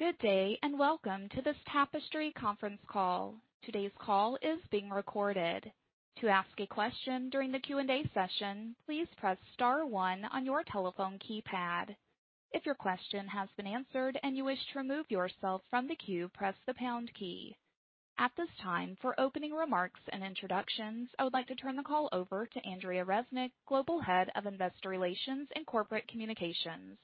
Good day, welcome to this Tapestry conference call. Today's call is being recorded. To ask a question during the Q&A session, please press star one on your telephone keypad. If your question has been answered and you wish to remove yourself from the queue, press the pound key. At this time, for opening remarks and introductions, I would like to turn the call over to Andrea Resnick, Global Head of Investor Relations and Corporate Communications.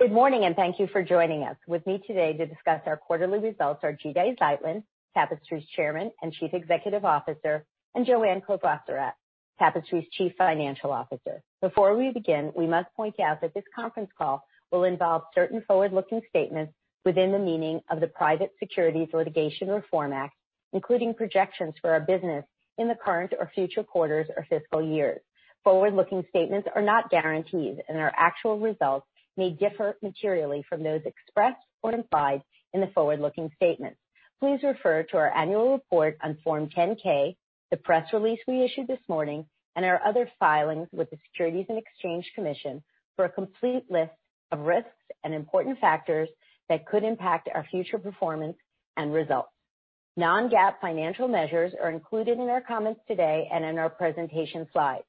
Good morning, and thank you for joining us. With me today to discuss our quarterly results are Jide Zeitlin, Tapestry's Chairman and Chief Executive Officer, and Joanne Crevoiserat, Tapestry's Chief Financial Officer. Before we begin, we must point out that this conference call will involve certain forward-looking statements within the meaning of the Private Securities Litigation Reform Act, including projections for our business in the current or future quarters or fiscal years. Forward-looking statements are not guarantees, and our actual results may differ materially from those expressed or implied in the forward-looking statements. Please refer to our annual report on Form 10-K, the press release we issued this morning, and our other filings with the Securities and Exchange Commission for a complete list of risks and important factors that could impact our future performance and results. non-GAAP financial measures are included in our comments today and in our presentation slides.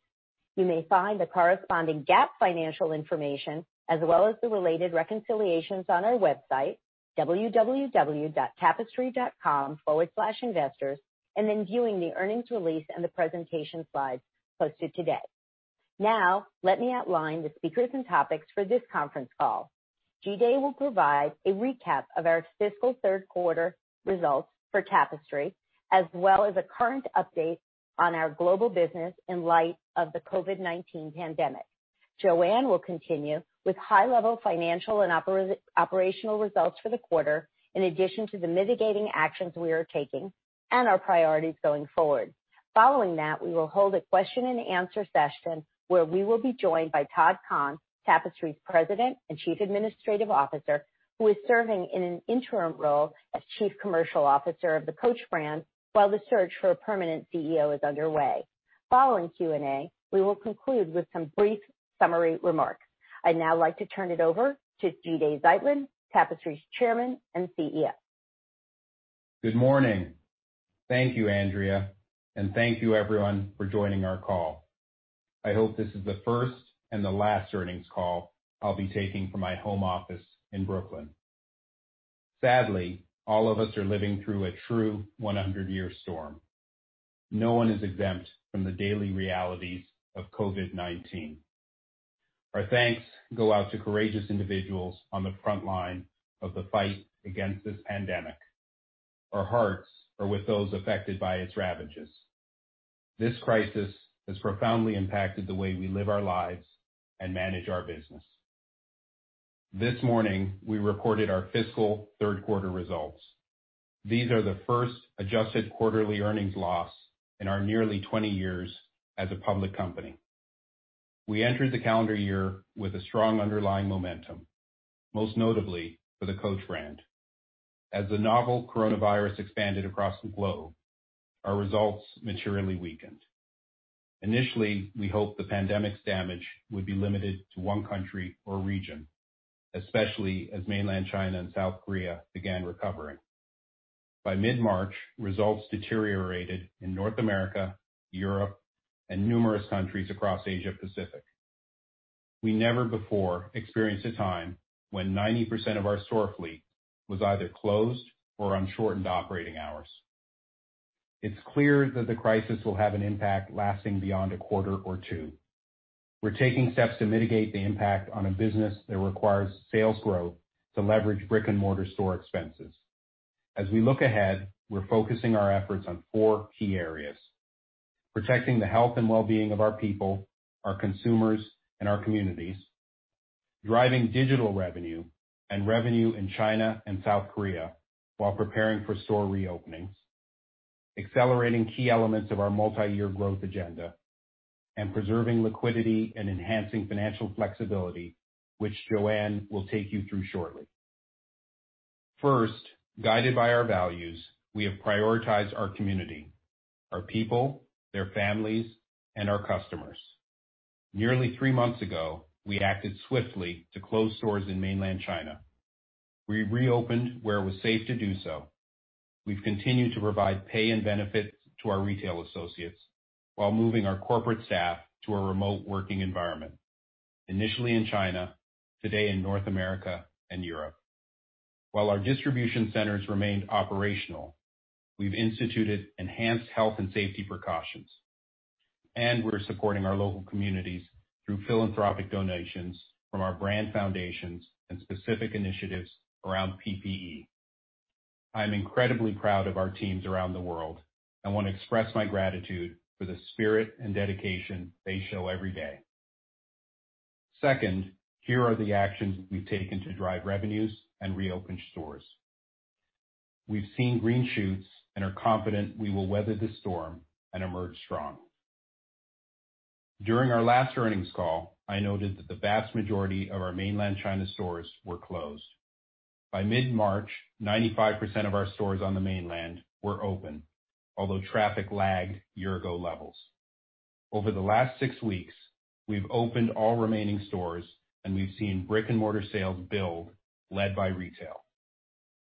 You may find the corresponding GAAP financial information as well as the related reconciliations on our website, www.tapestry.com/investors, and then viewing the earnings release and the presentation slides posted today. Let me outline the speakers and topics for this conference call. Jide will provide a recap of our fiscal third quarter results for Tapestry, as well as a current update on our global business in light of the COVID-19 pandemic. Joanne will continue with high-level financial and operational results for the quarter, in addition to the mitigating actions we are taking and our priorities going forward. Following that, we will hold a question and answer session where we will be joined by Todd Kahn, Tapestry's President and Chief Administrative Officer, who is serving in an interim role as Chief Commercial Officer of the Coach brand while the search for a permanent CEO is underway. Following Q&A, we will conclude with some brief summary remarks. I'd now like to turn it over to Jide Zeitlin, Tapestry's Chairman and CEO. Good morning. Thank you, Andrea, and thank you everyone for joining our call. I hope this is the first and the last earnings call I'll be taking from my home office in Brooklyn. Sadly, all of us are living through a true 100-year storm. No one is exempt from the daily realities of COVID-19. Our thanks go out to courageous individuals on the front line of the fight against this pandemic. Our hearts are with those affected by its ravages. This crisis has profoundly impacted the way we live our lives and manage our business. This morning, we reported our fiscal third quarter results. These are the first adjusted quarterly earnings loss in our nearly 20 years as a public company. We entered the calendar year with a strong underlying momentum, most notably for the Coach brand. As the novel coronavirus expanded across the globe, our results materially weakened. Initially, we hoped the pandemic's damage would be limited to one country or region, especially as mainland China and South Korea began recovering. By mid-March, results deteriorated in North America, Europe, and numerous countries across Asia Pacific. We never before experienced a time when 90% of our store fleet was either closed or on shortened operating hours. It's clear that the crisis will have an impact lasting beyond a quarter or two. We're taking steps to mitigate the impact on a business that requires sales growth to leverage brick-and-mortar store expenses. As we look ahead, we're focusing our efforts on four key areas, protecting the health and well-being of our people, our consumers, and our communities, driving digital revenue and revenue in China and South Korea while preparing for store reopenings, accelerating key elements of our multi-year growth agenda, and preserving liquidity and enhancing financial flexibility, which Joanne will take you through shortly. First, guided by our values, we have prioritized our community, our people, their families, and our customers. Nearly three months ago, we acted swiftly to close stores in mainland China. We reopened where it was safe to do so. We've continued to provide pay and benefits to our retail associates while moving our corporate staff to a remote working environment, initially in China, today in North America and Europe. While our distribution centers remained operational, we've instituted enhanced health and safety precautions, and we're supporting our local communities through philanthropic donations from our brand foundations and specific initiatives around PPE. I am incredibly proud of our teams around the world and want to express my gratitude for the spirit and dedication they show every day. Second, here are the actions we've taken to drive revenues and reopen stores. We've seen green shoots and are confident we will weather this storm and emerge strong. During our last earnings call, I noted that the vast majority of our mainland China stores were closed. By mid-March, 95% of our stores on the mainland were open, although traffic lagged year-ago levels. Over the last six weeks, we've opened all remaining stores, and we've seen brick-and-mortar sales build, led by retail.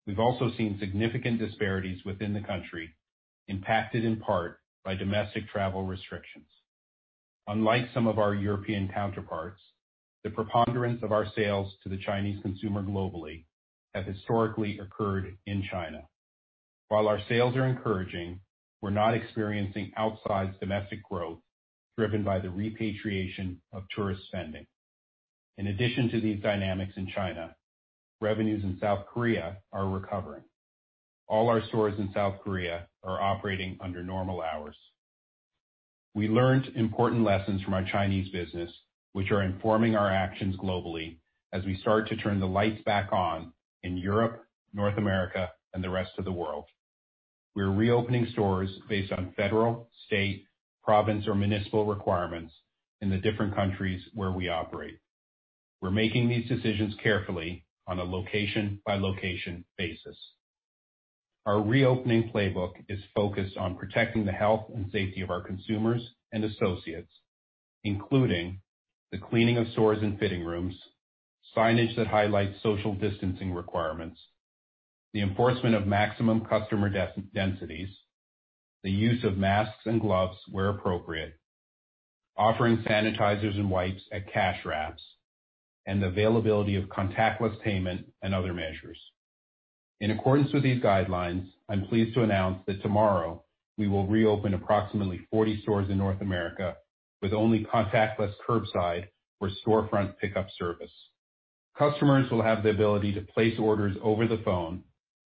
We've also seen significant disparities within the country, impacted in part by domestic travel restrictions. Unlike some of our European counterparts, the preponderance of our sales to the Chinese consumer globally have historically occurred in China. While our sales are encouraging, we're not experiencing outsized domestic growth driven by the repatriation of tourist spending. In addition to these dynamics in China, revenues in South Korea are recovering. All our stores in South Korea are operating under normal hours. We learned important lessons from our Chinese business, which are informing our actions globally as we start to turn the lights back on in Europe, North America, and the rest of the world. We're reopening stores based on federal, state, province, or municipal requirements in the different countries where we operate. We're making these decisions carefully on a location-by-location basis. Our reopening playbook is focused on protecting the health and safety of our consumers and associates, including the cleaning of stores and fitting rooms, signage that highlights social distancing requirements, the enforcement of maximum customer densities, the use of masks and gloves where appropriate, offering sanitizers and wipes at cash wraps, and the availability of contactless payment and other measures. In accordance with these guidelines, I'm pleased to announce that tomorrow we will reopen approximately 40 stores in North America with only contactless curbside or storefront pickup service. Customers will have the ability to place orders over the phone,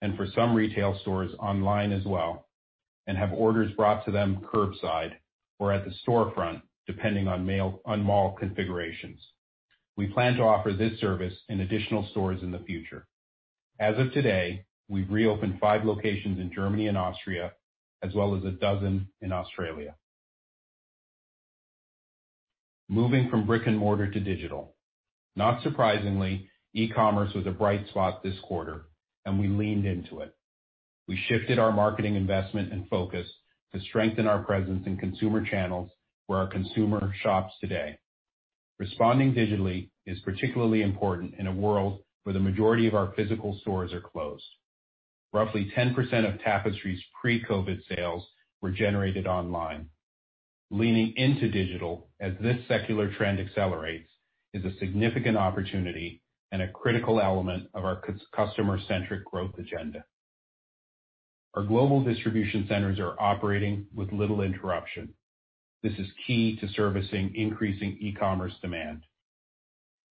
and for some retail stores, online as well, and have orders brought to them curbside or at the storefront, depending on mall configurations. We plan to offer this service in additional stores in the future. As of today, we've reopened five locations in Germany and Austria, as well as a dozen in Australia. Moving from brick-and-mortar to digital. Not surprisingly, e-commerce was a bright spot this quarter, and we leaned into it. We shifted our marketing investment and focus to strengthen our presence in consumer channels where our consumer shops today. Responding digitally is particularly important in a world where the majority of our physical stores are closed. Roughly 10% of Tapestry's pre-COVID sales were generated online. Leaning into digital as this secular trend accelerates is a significant opportunity and a critical element of our customer-centric growth agenda. Our global distribution centers are operating with little interruption. This is key to servicing increasing e-commerce demand.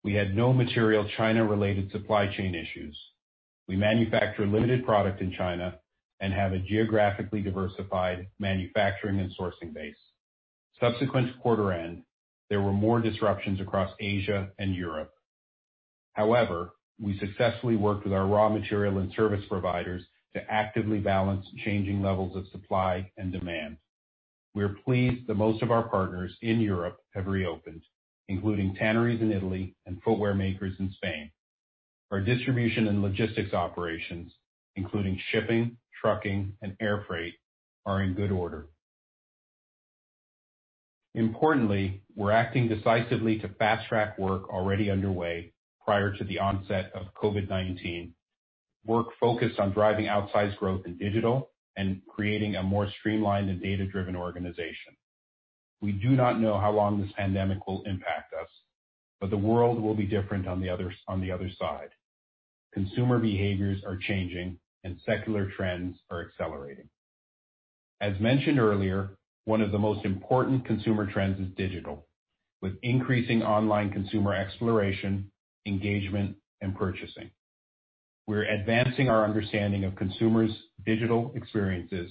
We had no material China-related supply chain issues. We manufacture limited product in China and have a geographically diversified manufacturing and sourcing base. Subsequent to quarter end, there were more disruptions across Asia and Europe. However, we successfully worked with our raw material and service providers to actively balance changing levels of supply and demand. We are pleased that most of our partners in Europe have reopened, including tanneries in Italy and footwear makers in Spain. Our distribution and logistics operations, including shipping, trucking, and air freight, are in good order. Importantly, we're acting decisively to fast-track work already underway prior to the onset of COVID-19, work focused on driving outsized growth in digital and creating a more streamlined and data-driven organization. We do not know how long this pandemic will impact us, but the world will be different on the other side. Consumer behaviors are changing, and secular trends are accelerating. As mentioned earlier, one of the most important consumer trends is digital, with increasing online consumer exploration, engagement, and purchasing. We're advancing our understanding of consumers' digital experiences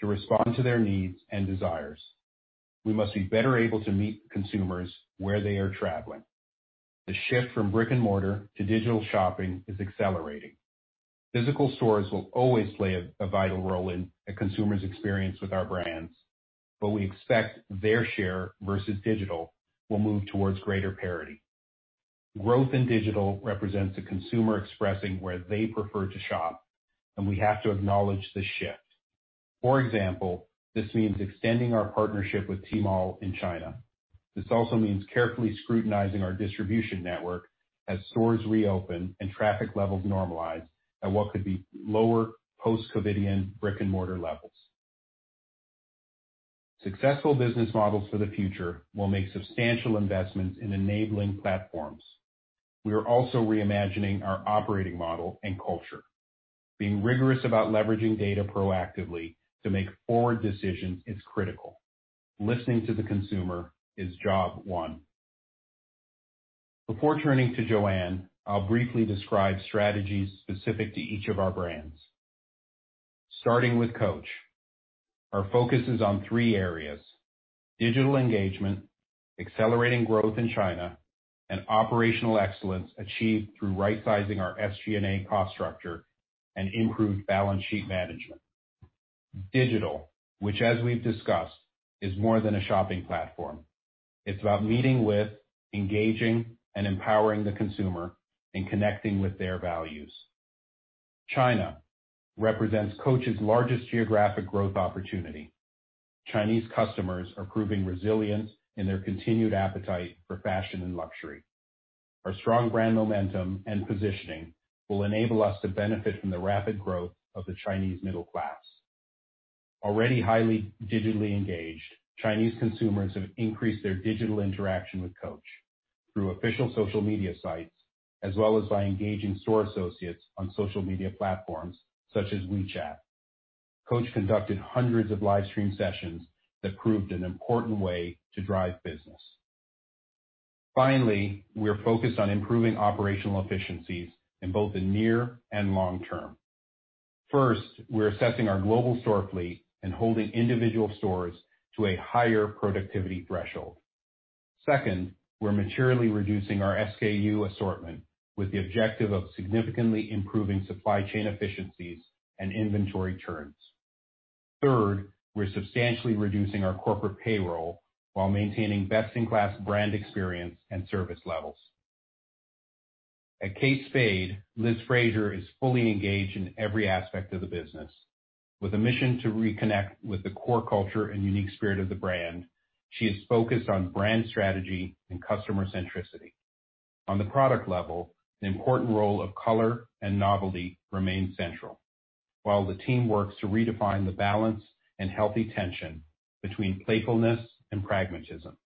to respond to their needs and desires. We must be better able to meet consumers where they are traveling. The shift from brick-and-mortar to digital shopping is accelerating. Physical stores will always play a vital role in a consumer's experience with our brands, but we expect their share versus digital will move towards greater parity. Growth in digital represents a consumer expressing where they prefer to shop, and we have to acknowledge the shift. For example, this means extending our partnership with Tmall in China. This also means carefully scrutinizing our distribution network as stores reopen and traffic levels normalize at what could be lower post-COVID brick-and-mortar levels. Successful business models for the future will make substantial investments in enabling platforms. We are also reimagining our operating model and culture. Being rigorous about leveraging data proactively to make forward decisions is critical. Listening to the consumer is job one. Before turning to Joanne, I'll briefly describe strategies specific to each of our brands. Starting with Coach. Our focus is on three areas: digital engagement, accelerating growth in China, and operational excellence achieved through right-sizing our SG&A cost structure and improved balance sheet management. Digital, which as we've discussed, is more than a shopping platform. It's about meeting with, engaging, and empowering the consumer and connecting with their values. China represents Coach's largest geographic growth opportunity. Chinese customers are proving resilient in their continued appetite for fashion and luxury. Our strong brand momentum and positioning will enable us to benefit from the rapid growth of the Chinese middle class. Already highly digitally engaged, Chinese consumers have increased their digital interaction with Coach through official social media sites as well as by engaging store associates on social media platforms such as WeChat. Coach conducted hundreds of live stream sessions that proved an important way to drive business. Finally, we are focused on improving operational efficiencies in both the near and long term. First, we're assessing our global store fleet and holding individual stores to a higher productivity threshold. Second, we're materially reducing our SKU assortment with the objective of significantly improving supply chain efficiencies and inventory turns. Third, we're substantially reducing our corporate payroll while maintaining best-in-class brand experience and service levels. At Kate Spade, Liz Fraser is fully engaged in every aspect of the business. With a mission to reconnect with the core culture and unique spirit of the brand, she is focused on brand strategy and customer centricity. On the product level, the important role of color and novelty remain central. While the team works to redefine the balance and healthy tension between playfulness and pragmatism,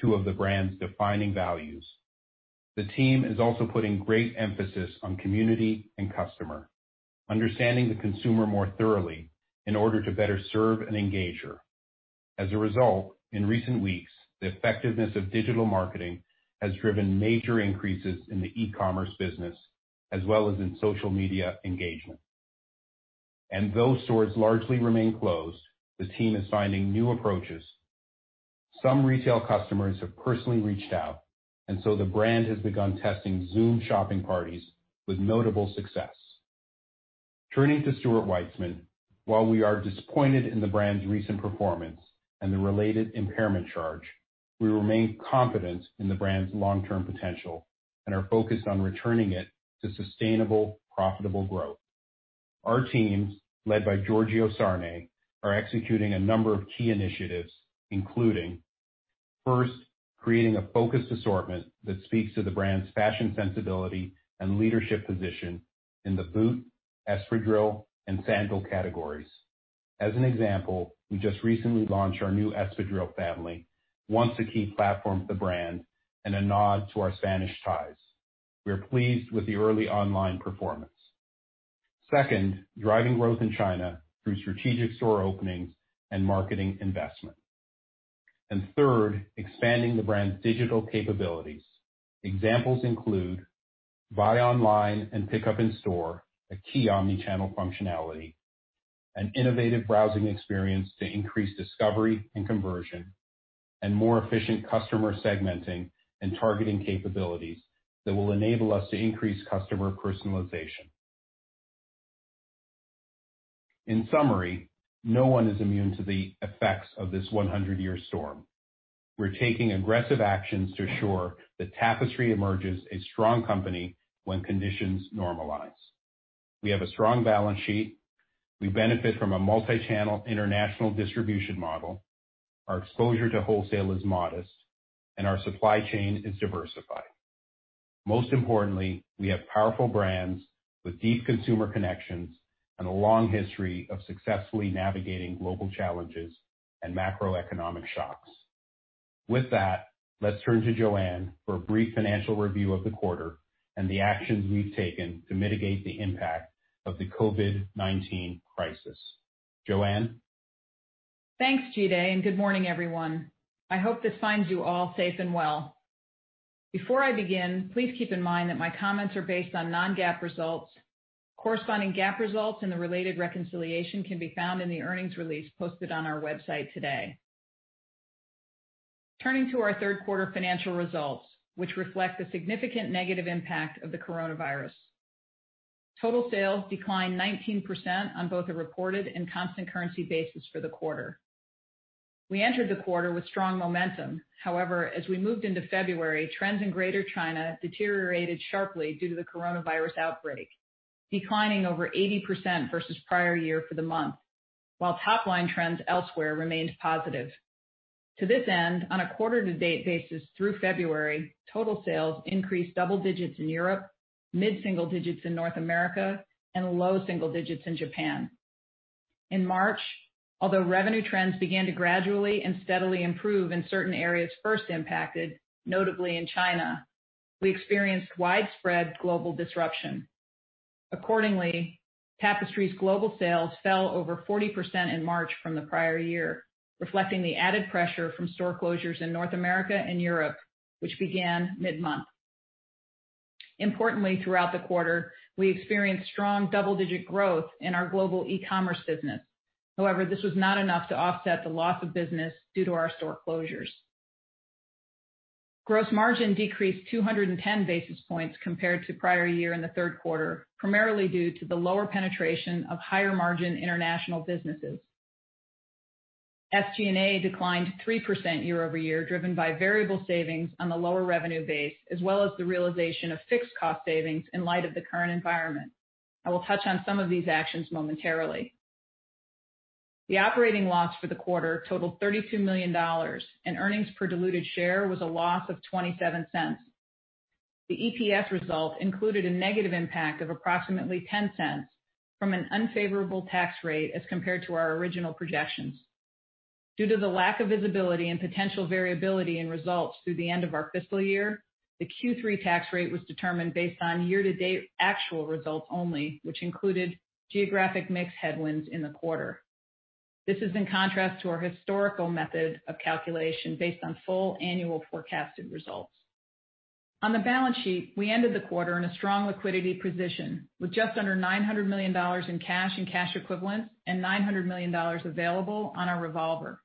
two of the brand's defining values. The team is also putting great emphasis on community and customer, understanding the consumer more thoroughly in order to better serve and engage her. As a result, in recent weeks, the effectiveness of digital marketing has driven major increases in the e-commerce business as well as in social media engagement. Though stores largely remain closed, the team is finding new approaches. Some retail customers have personally reached out, the brand has begun testing Zoom shopping parties with notable success. Turning to Stuart Weitzman, while we are disappointed in the brand's recent performance and the related impairment charge, we remain confident in the brand's long-term potential and are focused on returning it to sustainable, profitable growth. Our teams, led by Giorgio Sarné, are executing a number of key initiatives, including, first, creating a focused assortment that speaks to the brand's fashion sensibility and leadership position in the boot, espadrille, and sandal categories. As an example, we just recently launched our new espadrille family, once a key platform for the brand and a nod to our Spanish ties. We are pleased with the early online performance. Second, driving growth in China through strategic store openings and marketing investment. Third, expanding the brand's digital capabilities. Examples include buy online and pick up in store, a key omni-channel functionality, an innovative browsing experience to increase discovery and conversion, and more efficient customer segmenting and targeting capabilities that will enable us to increase customer personalization. In summary, no one is immune to the effects of this 100-year storm. We're taking aggressive actions to assure that Tapestry emerges a strong company when conditions normalize. We have a strong balance sheet, we benefit from a multi-channel international distribution model, our exposure to wholesale is modest, and our supply chain is diversified. Most importantly, we have powerful brands with deep consumer connections and a long history of successfully navigating global challenges and macroeconomic shocks. With that, let's turn to Joanne for a brief financial review of the quarter and the actions we've taken to mitigate the impact of the COVID-19 crisis. Joanne? Thanks, Jide, and good morning, everyone. I hope this finds you all safe and well. Before I begin, please keep in mind that my comments are based on non-GAAP results. Corresponding GAAP results and the related reconciliation can be found in the earnings release posted on our website today. Turning to our third quarter financial results, which reflect the significant negative impact of the coronavirus. Total sales declined 19% on both a reported and constant currency basis for the quarter. We entered the quarter with strong momentum. However, as we moved into February, trends in Greater China deteriorated sharply due to the coronavirus outbreak, declining over 80% versus prior year for the month, while top-line trends elsewhere remained positive. To this end, on a quarter to date basis through February, total sales increased double digits in Europe, mid-single digits in North America, and low single digits in Japan. In March, although revenue trends began to gradually and steadily improve in certain areas first impacted, notably in China, we experienced widespread global disruption. Accordingly, Tapestry's global sales fell over 40% in March from the prior year, reflecting the added pressure from store closures in North America and Europe, which began mid-month. Importantly, throughout the quarter, we experienced strong double-digit growth in our global e-commerce business. However, this was not enough to offset the loss of business due to our store closures. Gross margin decreased 210 basis points compared to prior year in the third quarter, primarily due to the lower penetration of higher margin international businesses. SG&A declined 3% year-over-year, driven by variable savings on the lower revenue base, as well as the realization of fixed cost savings in light of the current environment. I will touch on some of these actions momentarily. The operating loss for the quarter totaled $32 million, and earnings per diluted share was a loss of $0.27. The EPS result included a negative impact of approximately $0.10 from an unfavorable tax rate as compared to our original projections. Due to the lack of visibility and potential variability in results through the end of our fiscal year, the Q3 tax rate was determined based on year-to-date actual results only, which included geographic mix headwinds in the quarter. This is in contrast to our historical method of calculation based on full annual forecasted results. On the balance sheet, we ended the quarter in a strong liquidity position with just under $900 million in cash and cash equivalents and $900 million available on our revolver.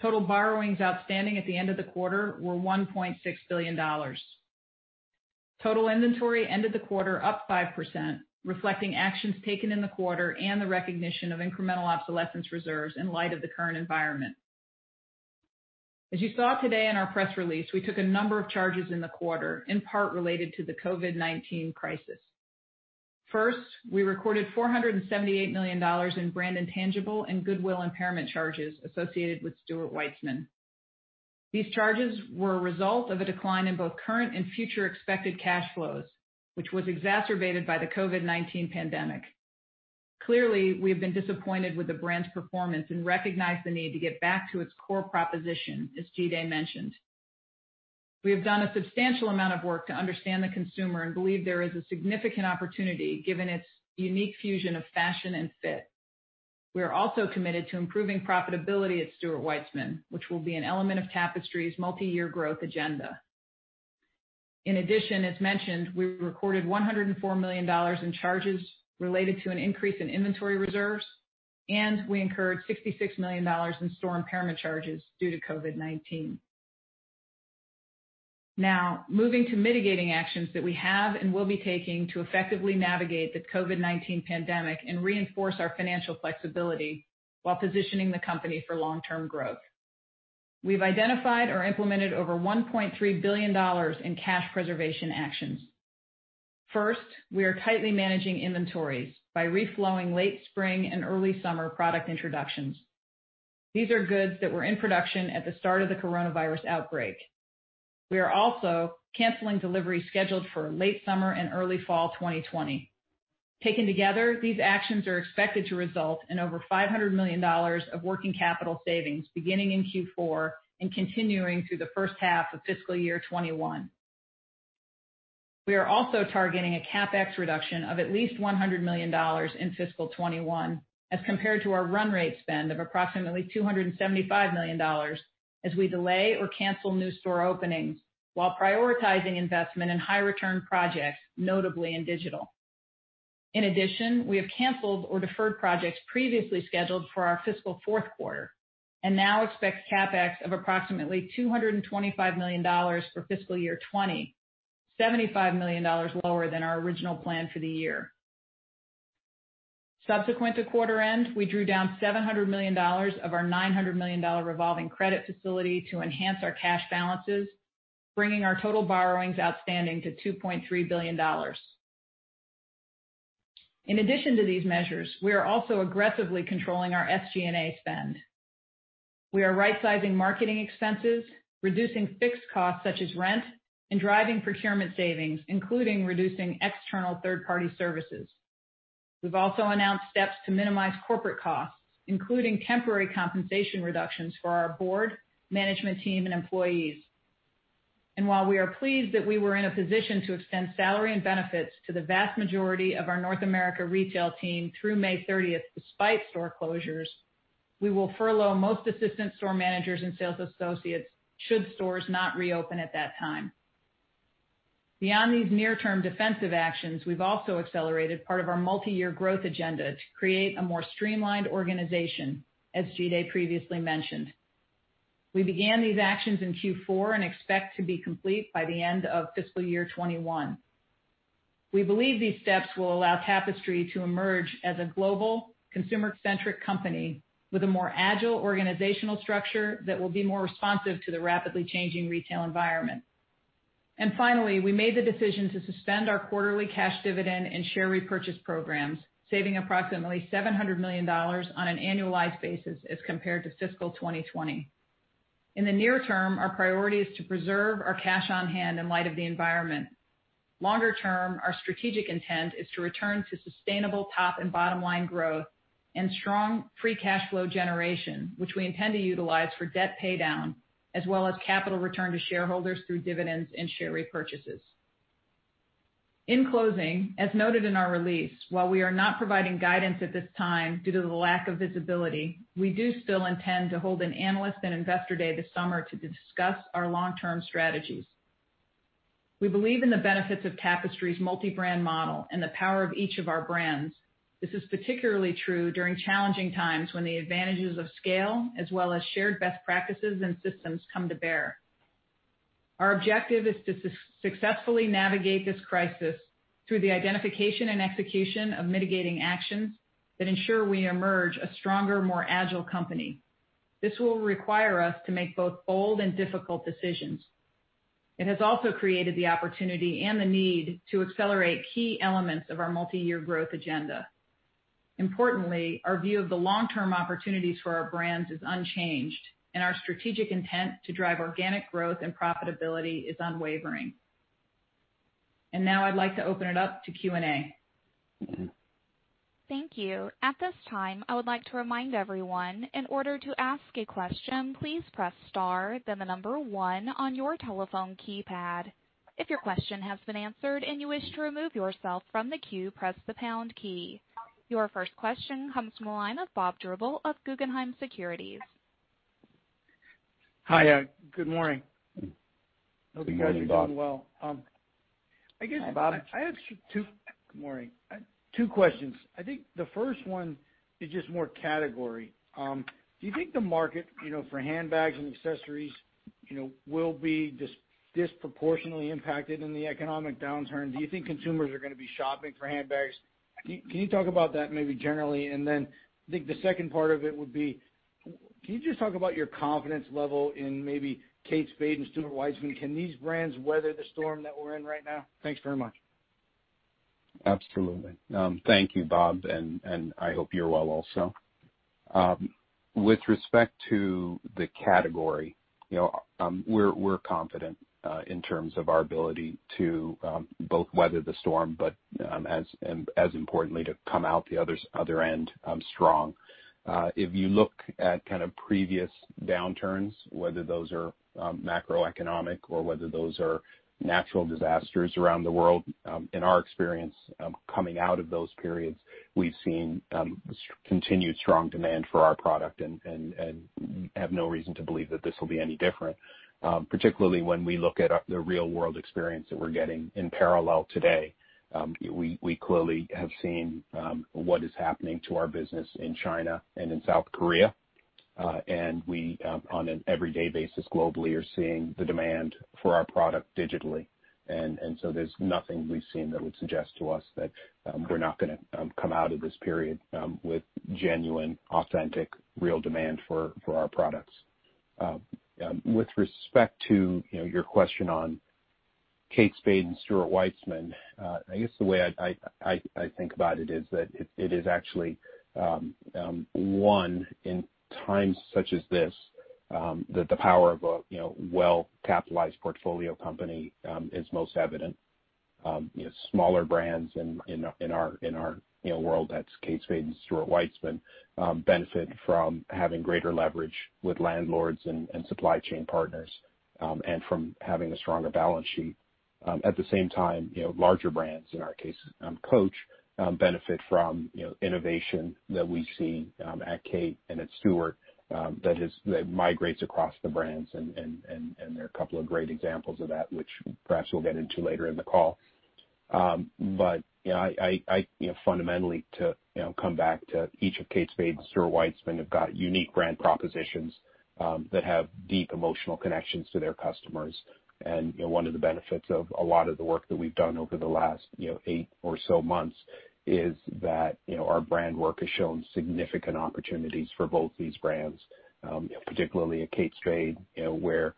Total borrowings outstanding at the end of the quarter were $1.6 billion. Total inventory ended the quarter up 5%, reflecting actions taken in the quarter and the recognition of incremental obsolescence reserves in light of the current environment. As you saw today in our press release, we took a number of charges in the quarter, in part related to the COVID-19 crisis. We recorded $478 million in brand intangible and goodwill impairment charges associated with Stuart Weitzman. These charges were a result of a decline in both current and future expected cash flows, which was exacerbated by the COVID-19 pandemic. We have been disappointed with the brand's performance and recognize the need to get back to its core proposition, as Jide mentioned. We have done a substantial amount of work to understand the consumer and believe there is a significant opportunity, given its unique fusion of fashion and fit. We are also committed to improving profitability at Stuart Weitzman, which will be an element of Tapestry's multi-year growth agenda. In addition, as mentioned, we recorded $104 million in charges related to an increase in inventory reserves, and we incurred $66 million in store impairment charges due to COVID-19. Now, moving to mitigating actions that we have and will be taking to effectively navigate the COVID-19 pandemic and reinforce our financial flexibility while positioning the company for long-term growth. We've identified or implemented over $1.3 billion in cash preservation actions. First, we are tightly managing inventories by reflowing late spring and early summer product introductions. These are goods that were in production at the start of the coronavirus outbreak. We are also canceling deliveries scheduled for late summer and early fall 2020. Taken together, these actions are expected to result in over $500 million of working capital savings beginning in Q4 and continuing through the first half of fiscal year 2021. We are also targeting a CapEx reduction of at least $100 million in fiscal 2021 as compared to our run rate spend of approximately $275 million as we delay or cancel new store openings while prioritizing investment in high return projects, notably in digital. We have canceled or deferred projects previously scheduled for our fiscal fourth quarter and now expect CapEx of approximately $225 million for fiscal year 2020, $75 million lower than our original plan for the year. Subsequent to quarter end, we drew down $700 million of our $900 million revolving credit facility to enhance our cash balances, bringing our total borrowings outstanding to $2.3 billion. In addition to these measures, we are also aggressively controlling our SG&A spend. We are rightsizing marketing expenses, reducing fixed costs such as rent, and driving procurement savings, including reducing external third-party services. We've also announced steps to minimize corporate costs, including temporary compensation reductions for our board, management team, and employees. While we are pleased that we were in a position to extend salary and benefits to the vast majority of our North America retail team through May 30th, despite store closures, we will furlough most assistant store managers and sales associates should stores not reopen at that time. Beyond these near-term defensive actions, we've also accelerated part of our multi-year growth agenda to create a more streamlined organization, as Jide previously mentioned. We began these actions in Q4 and expect to be complete by the end of fiscal year 2021. We believe these steps will allow Tapestry to emerge as a global, consumer-centric company with a more agile organizational structure that will be more responsive to the rapidly changing retail environment. Finally, we made the decision to suspend our quarterly cash dividend and share repurchase programs, saving approximately $700 million on an annualized basis as compared to fiscal 2020. In the near term, our priority is to preserve our cash on hand in light of the environment. Longer term, our strategic intent is to return to sustainable top and bottom line growth and strong free cash flow generation, which we intend to utilize for debt paydown, as well as capital return to shareholders through dividends and share repurchases. In closing, as noted in our release, while we are not providing guidance at this time due to the lack of visibility, we do still intend to hold an analyst and investor day this summer to discuss our long-term strategies. We believe in the benefits of Tapestry's multi-brand model and the power of each of our brands. This is particularly true during challenging times when the advantages of scale as well as shared best practices and systems come to bear. Our objective is to successfully navigate this crisis through the identification and execution of mitigating actions that ensure we emerge a stronger, more agile company. This will require us to make both bold and difficult decisions. It has also created the opportunity and the need to accelerate key elements of our multi-year growth agenda. Importantly, our view of the long-term opportunities for our brands is unchanged, and our strategic intent to drive organic growth and profitability is unwavering. Now I'd like to open it up to Q&A. Thank you. At this time, I would like to remind everyone, in order to ask a question, please press star then the number one on your telephone keypad. If your question has been answered and you wish to remove yourself from the queue, press the pound key. Your first question comes from the line of Robert Drbul of Guggenheim Securities. Hi. Good morning. Good morning, Bob. Hope you guys are doing well. Hi, Bob. Good morning. Two questions. I think the first one is just more category. Do you think the market for handbags and accessories will be disproportionately impacted in the economic downturn? Do you think consumers are going to be shopping for handbags? Can you talk about that maybe generally? Then I think the second part of it would be, can you just talk about your confidence level in maybe Kate Spade and Stuart Weitzman? Can these brands weather the storm that we're in right now? Thanks very much. Absolutely. Thank you, Bob. I hope you're well also. With respect to the category, we're confident in terms of our ability to both weather the storm, as importantly, to come out the other end strong. If you look at previous downturns, whether those are macroeconomic or whether those are natural disasters around the world, in our experience coming out of those periods, we've seen continued strong demand for our product, have no reason to believe that this will be any different. Particularly when we look at the real-world experience that we're getting in parallel today. We clearly have seen what is happening to our business in China and in South Korea. We, on an everyday basis globally, are seeing the demand for our product digitally. There's nothing we've seen that would suggest to us that we're not going to come out of this period with genuine, authentic, real demand for our products. With respect to your question on Kate Spade and Stuart Weitzman, I guess the way I think about it is that it is actually one in times such as this, that the power of a well-capitalized portfolio company is most evident. Smaller brands in our world, that's Kate Spade and Stuart Weitzman, benefit from having greater leverage with landlords and supply chain partners, and from having a stronger balance sheet. At the same time, larger brands, in our case, Coach, benefit from innovation that we see at Kate and at Stuart that migrates across the brands. There are a couple of great examples of that, which perhaps we'll get into later in the call. Fundamentally, to come back to each of Kate Spade and Stuart Weitzman have got unique brand propositions that have deep emotional connections to their customers. One of the benefits of a lot of the work that we've done over the last eight or so months is that our brand work has shown significant opportunities for both these brands. Particularly at Kate Spade, where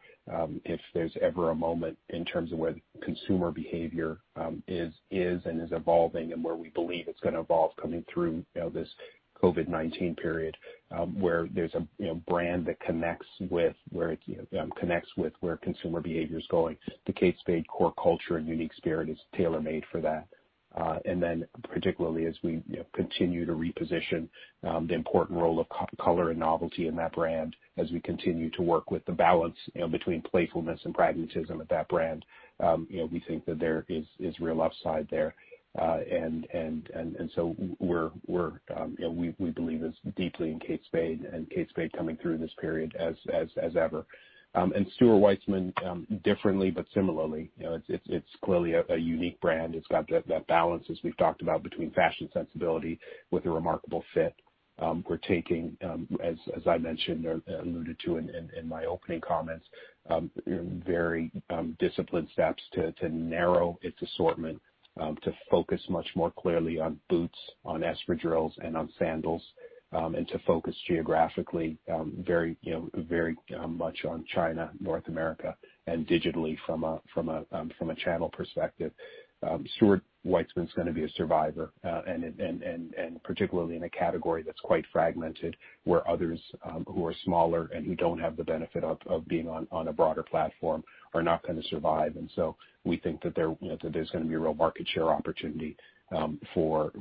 if there's ever a moment in terms of where consumer behavior is and is evolving and where we believe it's going to evolve coming through this COVID-19 period, where there's a brand that connects with where consumer behavior is going, the Kate Spade core culture and unique spirit is tailor-made for that. Particularly as we continue to reposition the important role of color and novelty in that brand as we continue to work with the balance between playfulness and pragmatism at that brand, we think that there is real upside there. We believe this deeply in Kate Spade and Kate Spade coming through this period as ever. Stuart Weitzman differently but similarly. It's clearly a unique brand. It's got that balance, as we've talked about, between fashion sensibility with a remarkable fit. We're taking, as I mentioned or alluded to in my opening comments, very disciplined steps to narrow its assortment to focus much more clearly on boots, on espadrilles, and on sandals, and to focus geographically very much on China, North America, and digitally from a channel perspective. Stuart Weitzman's going to be a survivor, particularly in a category that's quite fragmented, where others who are smaller and who don't have the benefit of being on a broader platform are not going to survive. We think that there's going to be a real market share opportunity for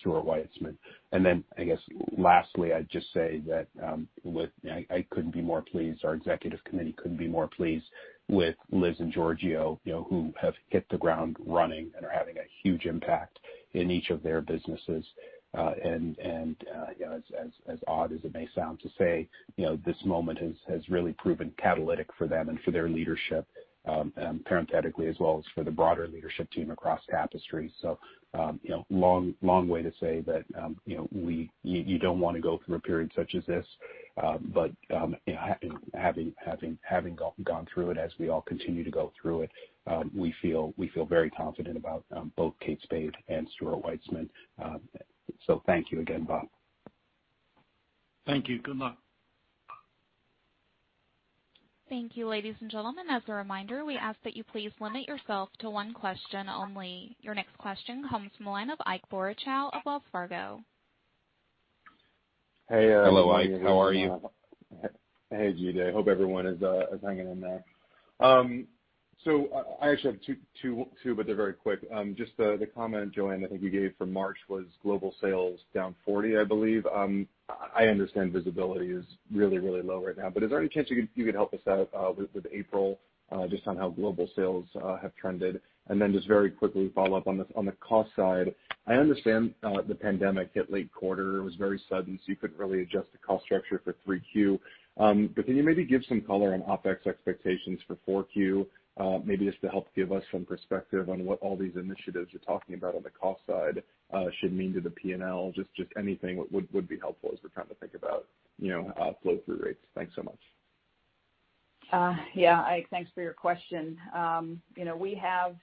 Stuart Weitzman. I guess lastly, I'd just say that I couldn't be more pleased, our executive committee couldn't be more pleased with Liz and Giorgio who have hit the ground running and are having a huge impact in each of their businesses. As odd as it may sound to say, this moment has really proven catalytic for them and for their leadership, parenthetically as well as for the broader leadership team across Tapestry. Long way to say that you don't want to go through a period such as this. Having gone through it as we all continue to go through it, we feel very confident about both Kate Spade and Stuart Weitzman. Thank you again, Bob. Thank you. Good luck. Thank you, ladies and gentlemen. As a reminder, we ask that you please limit yourself to one question only. Your next question comes from the line of Ike Boruchow of Wells Fargo. Hello, Ike. How are you? Hey, good day. Hope everyone is hanging in there. I actually have two, but they're very quick. Just the comment, Joanne, I think you gave for March was global sales down 40%, I believe. I understand visibility is really low right now. Is there any chance you could help us out with April, just on how global sales have trended? Just very quickly follow up on the cost side. I understand the pandemic hit late quarter. It was very sudden. You couldn't really adjust the cost structure for Q3. Can you maybe give some color on OpEx expectations for Q4, maybe just to help give us some perspective on what all these initiatives you're talking about on the cost side should mean to the P&L? Just anything would be helpful as we're trying to think about flow-through rates. Thanks so much. Yeah, Ike, thanks for your question. We have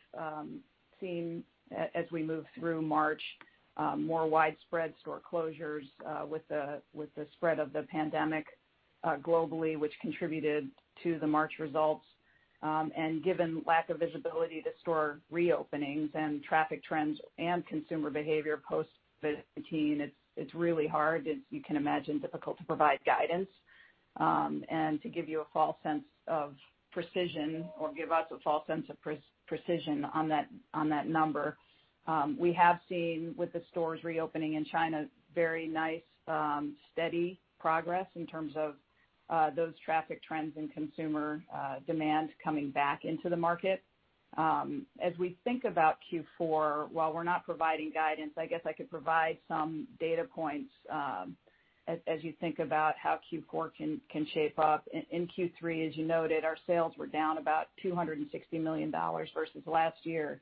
seen, as we move through March, more widespread store closures with the spread of the pandemic globally, which contributed to the March results. Given lack of visibility to store reopenings and traffic trends and consumer behavior post-COVID-19, it's really hard, as you can imagine, difficult to provide guidance, and to give you a false sense of precision or give us a false sense of precision on that number. We have seen with the stores reopening in China, very nice steady progress in terms of those traffic trends and consumer demand coming back into the market. As we think about Q4, while we're not providing guidance, I guess I could provide some data points as you think about how Q4 can shape up. In Q3, as you noted, our sales were down about $260 million versus last year.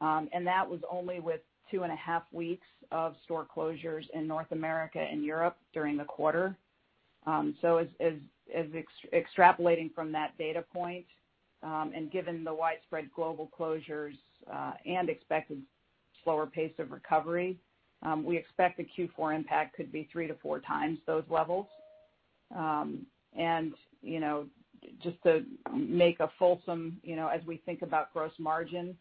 That was only with two and a half weeks of store closures in North America and Europe during the quarter. Extrapolating from that data point, and given the widespread global closures, and expected slower pace of recovery, we expect the Q4 impact could be three to four times those levels. As we think about gross margin,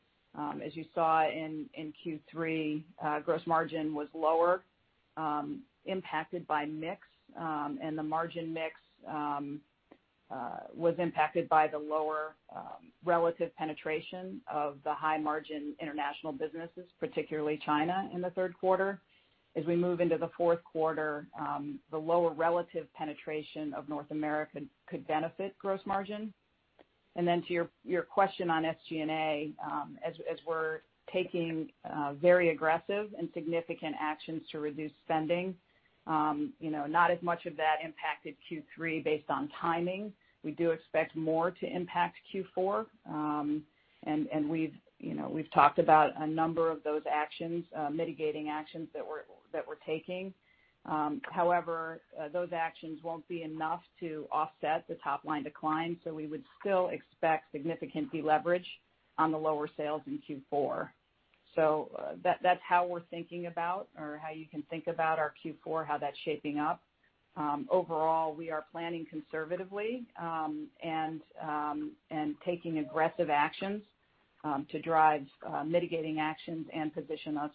as you saw in Q3, gross margin was lower, impacted by mix, and the margin mix was impacted by the lower relative penetration of the high-margin international businesses, particularly China in the third quarter. As we move into the fourth quarter, the lower relative penetration of North America could benefit gross margin. To your question on SG&A, as we're taking very aggressive and significant actions to reduce spending, not as much of that impacted Q3 based on timing. We do expect more to impact Q4. We've talked about a number of those actions, mitigating actions that we're taking. However, those actions won't be enough to offset the top-line decline, we would still expect significant deleverage on the lower sales in Q4. That's how we're thinking about, or how you can think about our Q4, how that's shaping up. Overall, we are planning conservatively, and taking aggressive actions to drive mitigating actions and position us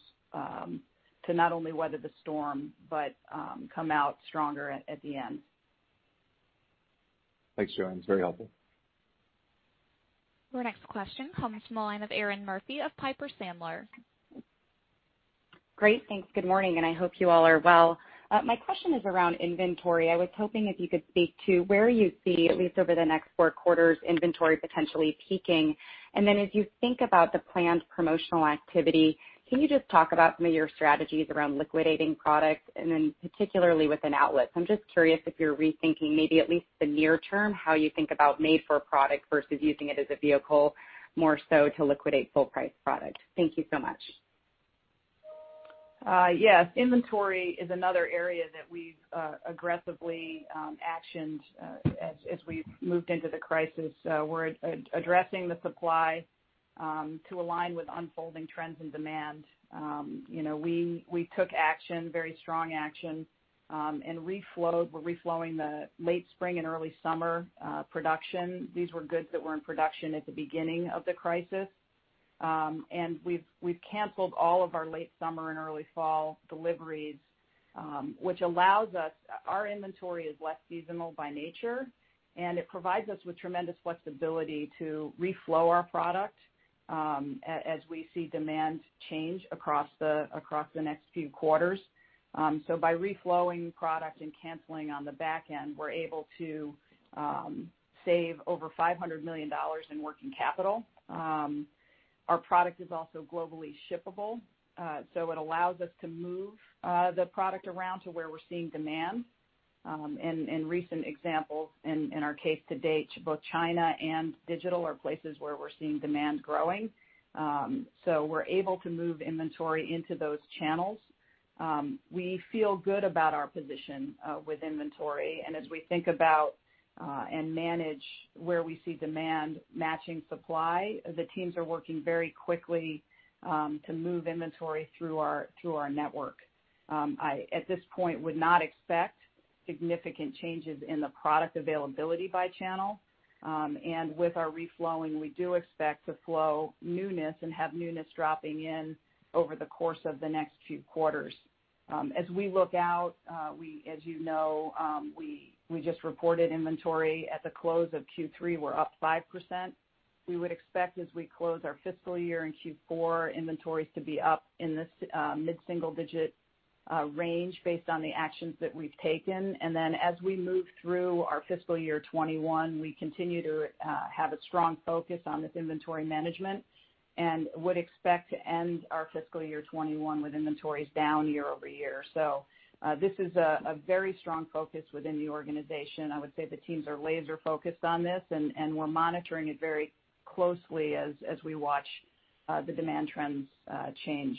to not only weather the storm but come out stronger at the end. Thanks, Joanne. It's very helpful. Our next question comes from the line of Erinn Murphy of Piper Sandler. Great. Thanks. Good morning. I hope you all are well. My question is around inventory. I was hoping if you could speak to where you see, at least over the next four quarters, inventory potentially peaking. As you think about the planned promotional activity, can you just talk about some of your strategies around liquidating product, then particularly within outlet? I'm just curious if you're rethinking maybe at least the near term, how you think about made for product versus using it as a vehicle more so to liquidate full price product. Thank you so much. Yes. Inventory is another area that we've aggressively actioned as we've moved into the crisis. We're addressing the supply to align with unfolding trends and demand. We took action, very strong action, and reflowed. We're reflowing the late spring and early summer production. These were goods that were in production at the beginning of the crisis. We've canceled all of our late summer and early fall deliveries. Our inventory is less seasonal by nature, and it provides us with tremendous flexibility to reflow our product as we see demand change across the next few quarters. By reflowing product and canceling on the back end, we're able to save over $500 million in working capital. Our product is also globally shippable. It allows us to move the product around to where we're seeing demand. Recent examples in our case to date, both China and digital are places where we're seeing demand growing. We're able to move inventory into those channels. We feel good about our position with inventory, and as we think about and manage where we see demand matching supply. The teams are working very quickly to move inventory through our network. I, at this point, would not expect significant changes in the product availability by channel. With our reflowing, we do expect to flow newness and have newness dropping in over the course of the next few quarters. As we look out, as you know, we just reported inventory at the close of Q3, we're up 5%. We would expect as we close our fiscal year in Q4 inventories to be up in this mid-single-digit range based on the actions that we've taken. As we move through our fiscal year 2021, we continue to have a strong focus on this inventory management and would expect to end our fiscal year 2021 with inventories down year-over-year. This is a very strong focus within the organization. I would say the teams are laser-focused on this, and we're monitoring it very closely as we watch the demand trends change.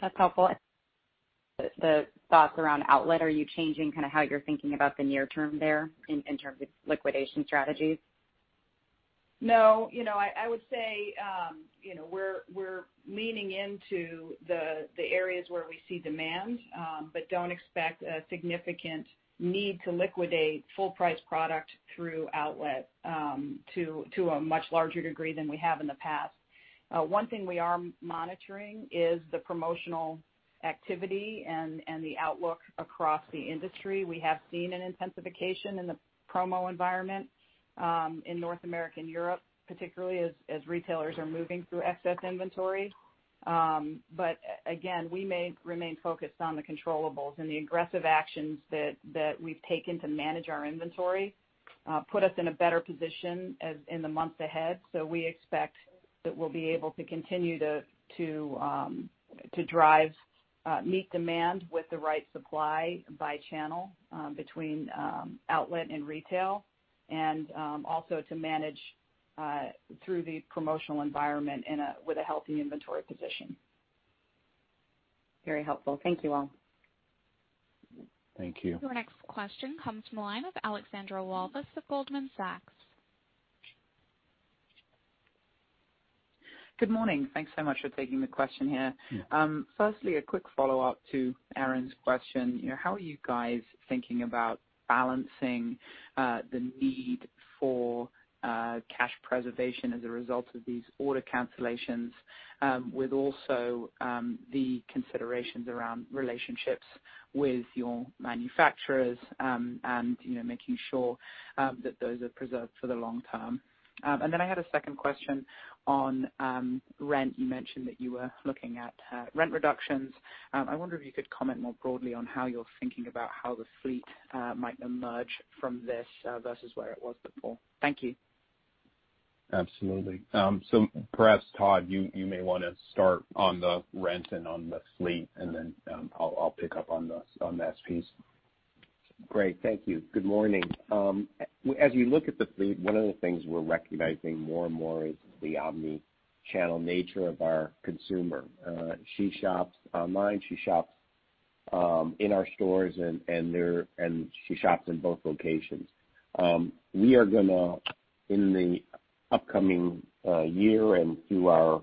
That's helpful. The thoughts around outlet, are you changing how you're thinking about the near term there in terms of liquidation strategies? No. I would say, we're leaning into the areas where we see demand, but don't expect a significant need to liquidate full price product through outlet to a much larger degree than we have in the past. One thing we are monitoring is the promotional activity and the outlook across the industry. We have seen an intensification in the promo environment, in North America and Europe, particularly as retailers are moving through excess inventory. Again, we may remain focused on the controllables and the aggressive actions that we've taken to manage our inventory, put us in a better position in the months ahead. We expect that we'll be able to continue to drive, meet demand with the right supply by channel between outlet and retail, and also to manage through the promotional environment with a healthy inventory position. Very helpful. Thank you all. Thank you. Your next question comes from the line of Alexandra Walvis of Goldman Sachs. Good morning. Thanks so much for taking the question here. Yeah. Firstly, a quick follow-up to Erinn's question. How are you guys thinking about balancing the need for cash preservation as a result of these order cancellations, with also the considerations around relationships with your manufacturers, and making sure that those are preserved for the long term? I had a second question on rent. You mentioned that you were looking at rent reductions. I wonder if you could comment more broadly on how you're thinking about how the fleet might emerge from this versus where it was before. Thank you. Absolutely. Perhaps, Todd, you may want to start on the rent and on the fleet, and then I'll pick up on the SPS. Great. Thank you. Good morning. As we look at the fleet, one of the things we're recognizing more and more is the omni-channel nature of our consumer. She shops online. She shops in our stores and she shops in both locations. We are going to, in the upcoming year and through our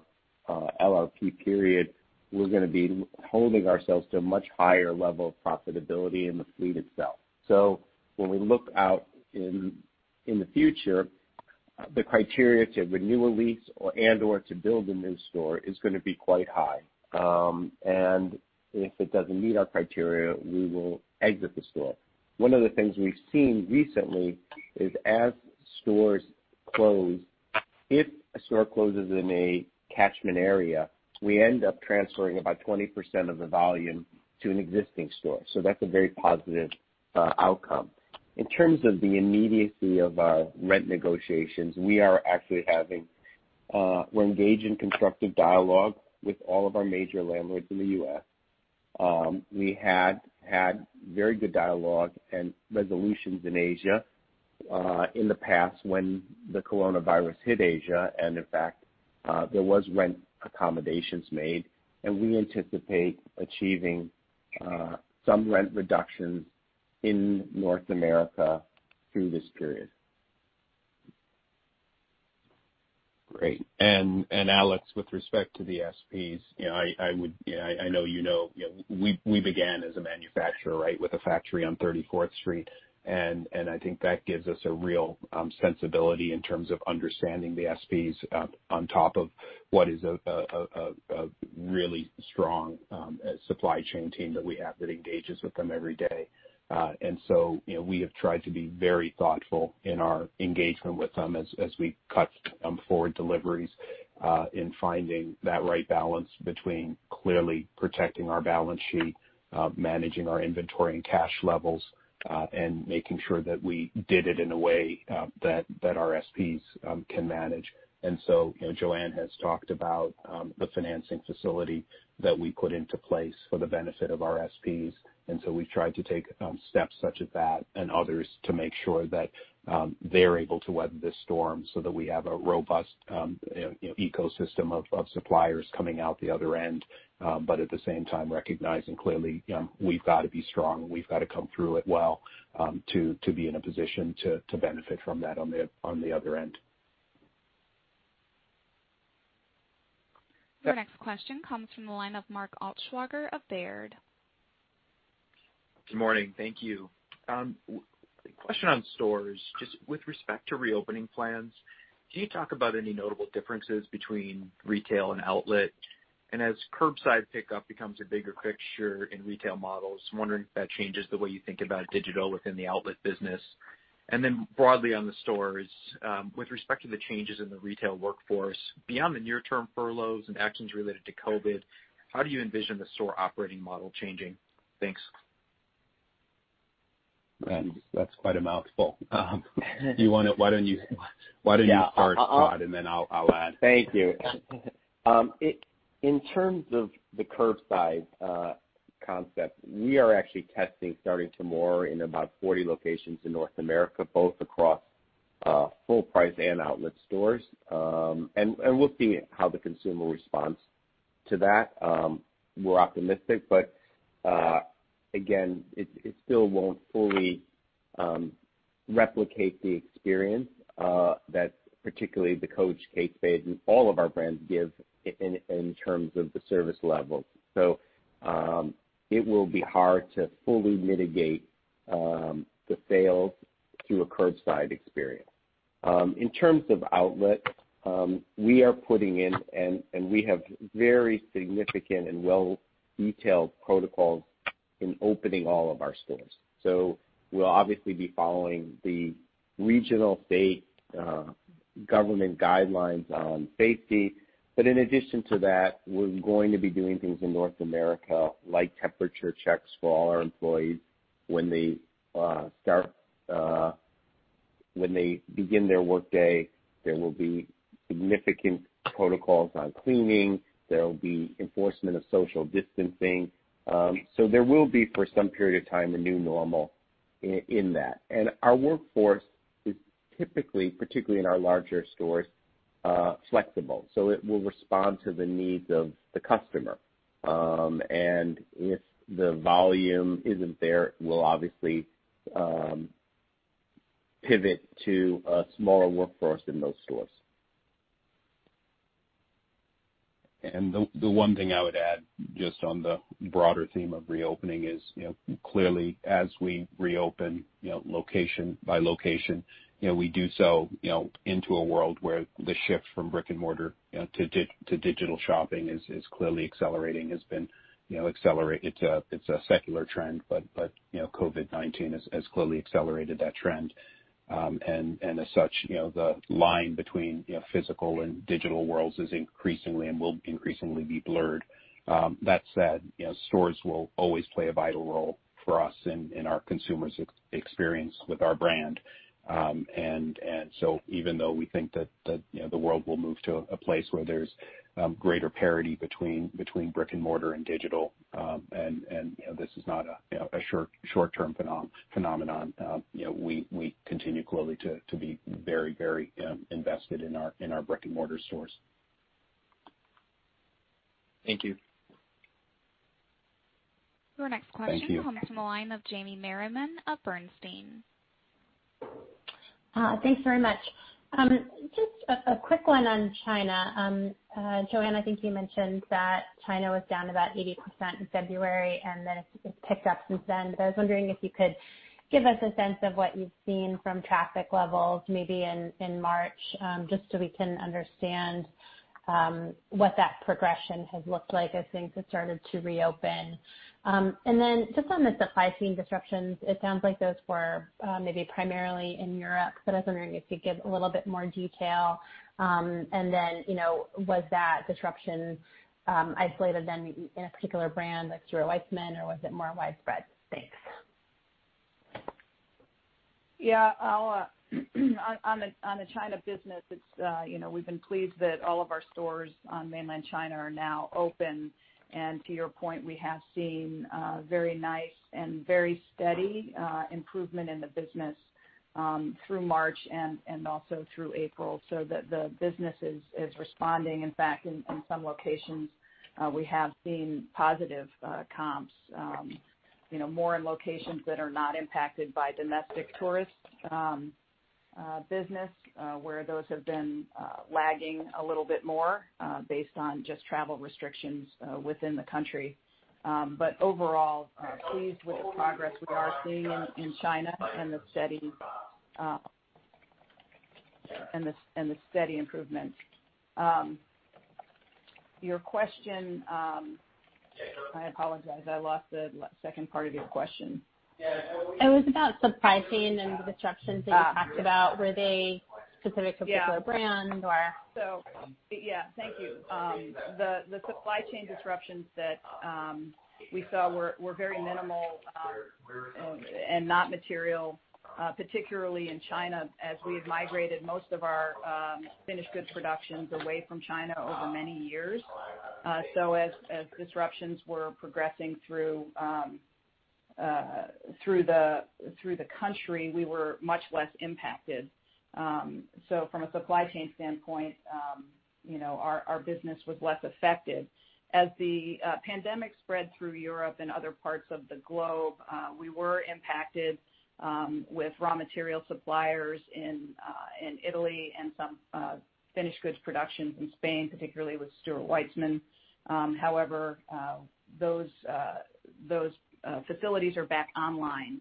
LRP period, we're gonna be holding ourselves to a much higher level of profitability in the fleet itself. When we look out in the future, the criteria to renew a lease and/or to build a new store is gonna be quite high. If it doesn't meet our criteria, we will exit the store. One of the things we've seen recently is as stores close, if a store closes in a catchment area, we end up transferring about 20% of the volume to an existing store. That's a very positive outcome. In terms of the immediacy of our rent negotiations, we're engaged in constructive dialogue with all of our major landlords in the U.S. We had very good dialogue and resolutions in Asia, in the past when the coronavirus hit Asia, and in fact, there was rent accommodations made, and we anticipate achieving some rent reductions in North America through this period. Great. Alex, with respect to the SPS, I know you know, we began as a manufacturer with a factory on 34th Street, and I think that gives us a real sensibility in terms of understanding the SPS on top of what is a really strong supply chain team that we have that engages with them every day. We have tried to be very thoughtful in our engagement with them as we cut forward deliveries, in finding that right balance between clearly protecting our balance sheet, managing our inventory and cash levels, and making sure that we did it in a way that our SPS can manage. Joanne has talked about the financing facility that we put into place for the benefit of our SPS. We've tried to take steps such as that and others to make sure that they're able to weather this storm so that we have a robust ecosystem of suppliers coming out the other end. At the same time, recognizing clearly, we've got to be strong. We've got to come through it well, to be in a position to benefit from that on the other end. Your next question comes from the line of Mark Altschwager of Baird. Good morning. Thank you. A question on stores. Just with respect to reopening plans, can you talk about any notable differences between retail and outlet? As curbside pickup becomes a bigger fixture in retail models, I'm wondering if that changes the way you think about digital within the outlet business. Broadly on the stores, with respect to the changes in the retail workforce, beyond the near-term furloughs and actions related to COVID, how do you envision the store operating model changing? Thanks. Man, that's quite a mouthful. Why don't you start, Todd, and then I'll add. Thank you. In terms of the curbside concept, we are actually testing starting tomorrow in about 40 locations in North America, both across full price and outlet stores. We'll see how the consumer responds to that. We're optimistic, but again, it still won't fully replicate the experience that particularly the Coach, Kate Spade, and all of our brands give in terms of the service level. It will be hard to fully mitigate the sales through a curbside experience. In terms of outlet, we are putting in and we have very significant and well-detailed protocols in opening all of our stores. We'll obviously be following the regional state government guidelines on safety. In addition to that, we're going to be doing things in North America like temperature checks for all our employees when they begin their workday. There will be significant protocols on cleaning. There will be enforcement of social distancing. There will be, for some period of time, a new normal in that. Our workforce is typically, particularly in our larger stores, flexible. It will respond to the needs of the customer. If the volume isn't there, we'll obviously pivot to a smaller workforce in those stores. The one thing I would add just on the broader theme of reopening is, clearly as we reopen location by location, we do so into a world where the shift from brick and mortar to digital shopping is clearly accelerating. It's a secular trend, but COVID-19 has clearly accelerated that trend. As such, the line between physical and digital worlds is increasingly and will increasingly be blurred. That said, stores will always play a vital role for us in our consumers' experience with our brand. Even though we think that the world will move to a place where there's greater parity between brick and mortar and digital, and this is not a short-term phenomenon, we continue clearly to be very invested in our brick and mortar stores. Thank you. Your next question. Thank you. Comes from the line of Jamie Merriman of Bernstein. Thanks very much. Just a quick one on China. Joanne, I think you mentioned that China was down about 80% in February, then it's picked up since then. I was wondering if you could give us a sense of what you've seen from traffic levels, maybe in March, just so we can understand what that progression has looked like as things have started to reopen. Just on the supply chain disruptions, it sounds like those were maybe primarily in Europe, but I was wondering if you could give a little bit more detail. Was that disruption isolated then in a particular brand, like Stuart Weitzman, or was it more widespread? Thanks. On the China business, we've been pleased that all of our stores on Mainland China are now open. To your point, we have seen very nice and very steady improvement in the business through March and also through April, so the business is responding. In fact, in some locations, we have seen positive comps more in locations that are not impacted by domestic tourist business where those have been lagging a little bit more based on just travel restrictions within the country. Overall, pleased with the progress we are seeing in China and the steady improvement. Your question, I apologize. I lost the second part of your question. It was about supply chain and the disruptions that you talked about. Were they specific to a particular brand or? Thank you. The supply chain disruptions that we saw were very minimal and not material, particularly in China, as we've migrated most of our finished goods productions away from China over many years. As disruptions were progressing through the country, we were much less impacted. From a supply chain standpoint, our business was less affected. As the pandemic spread through Europe and other parts of the globe, we were impacted with raw material suppliers in Italy and some finished goods production in Spain, particularly with Stuart Weitzman. However, those facilities are back online.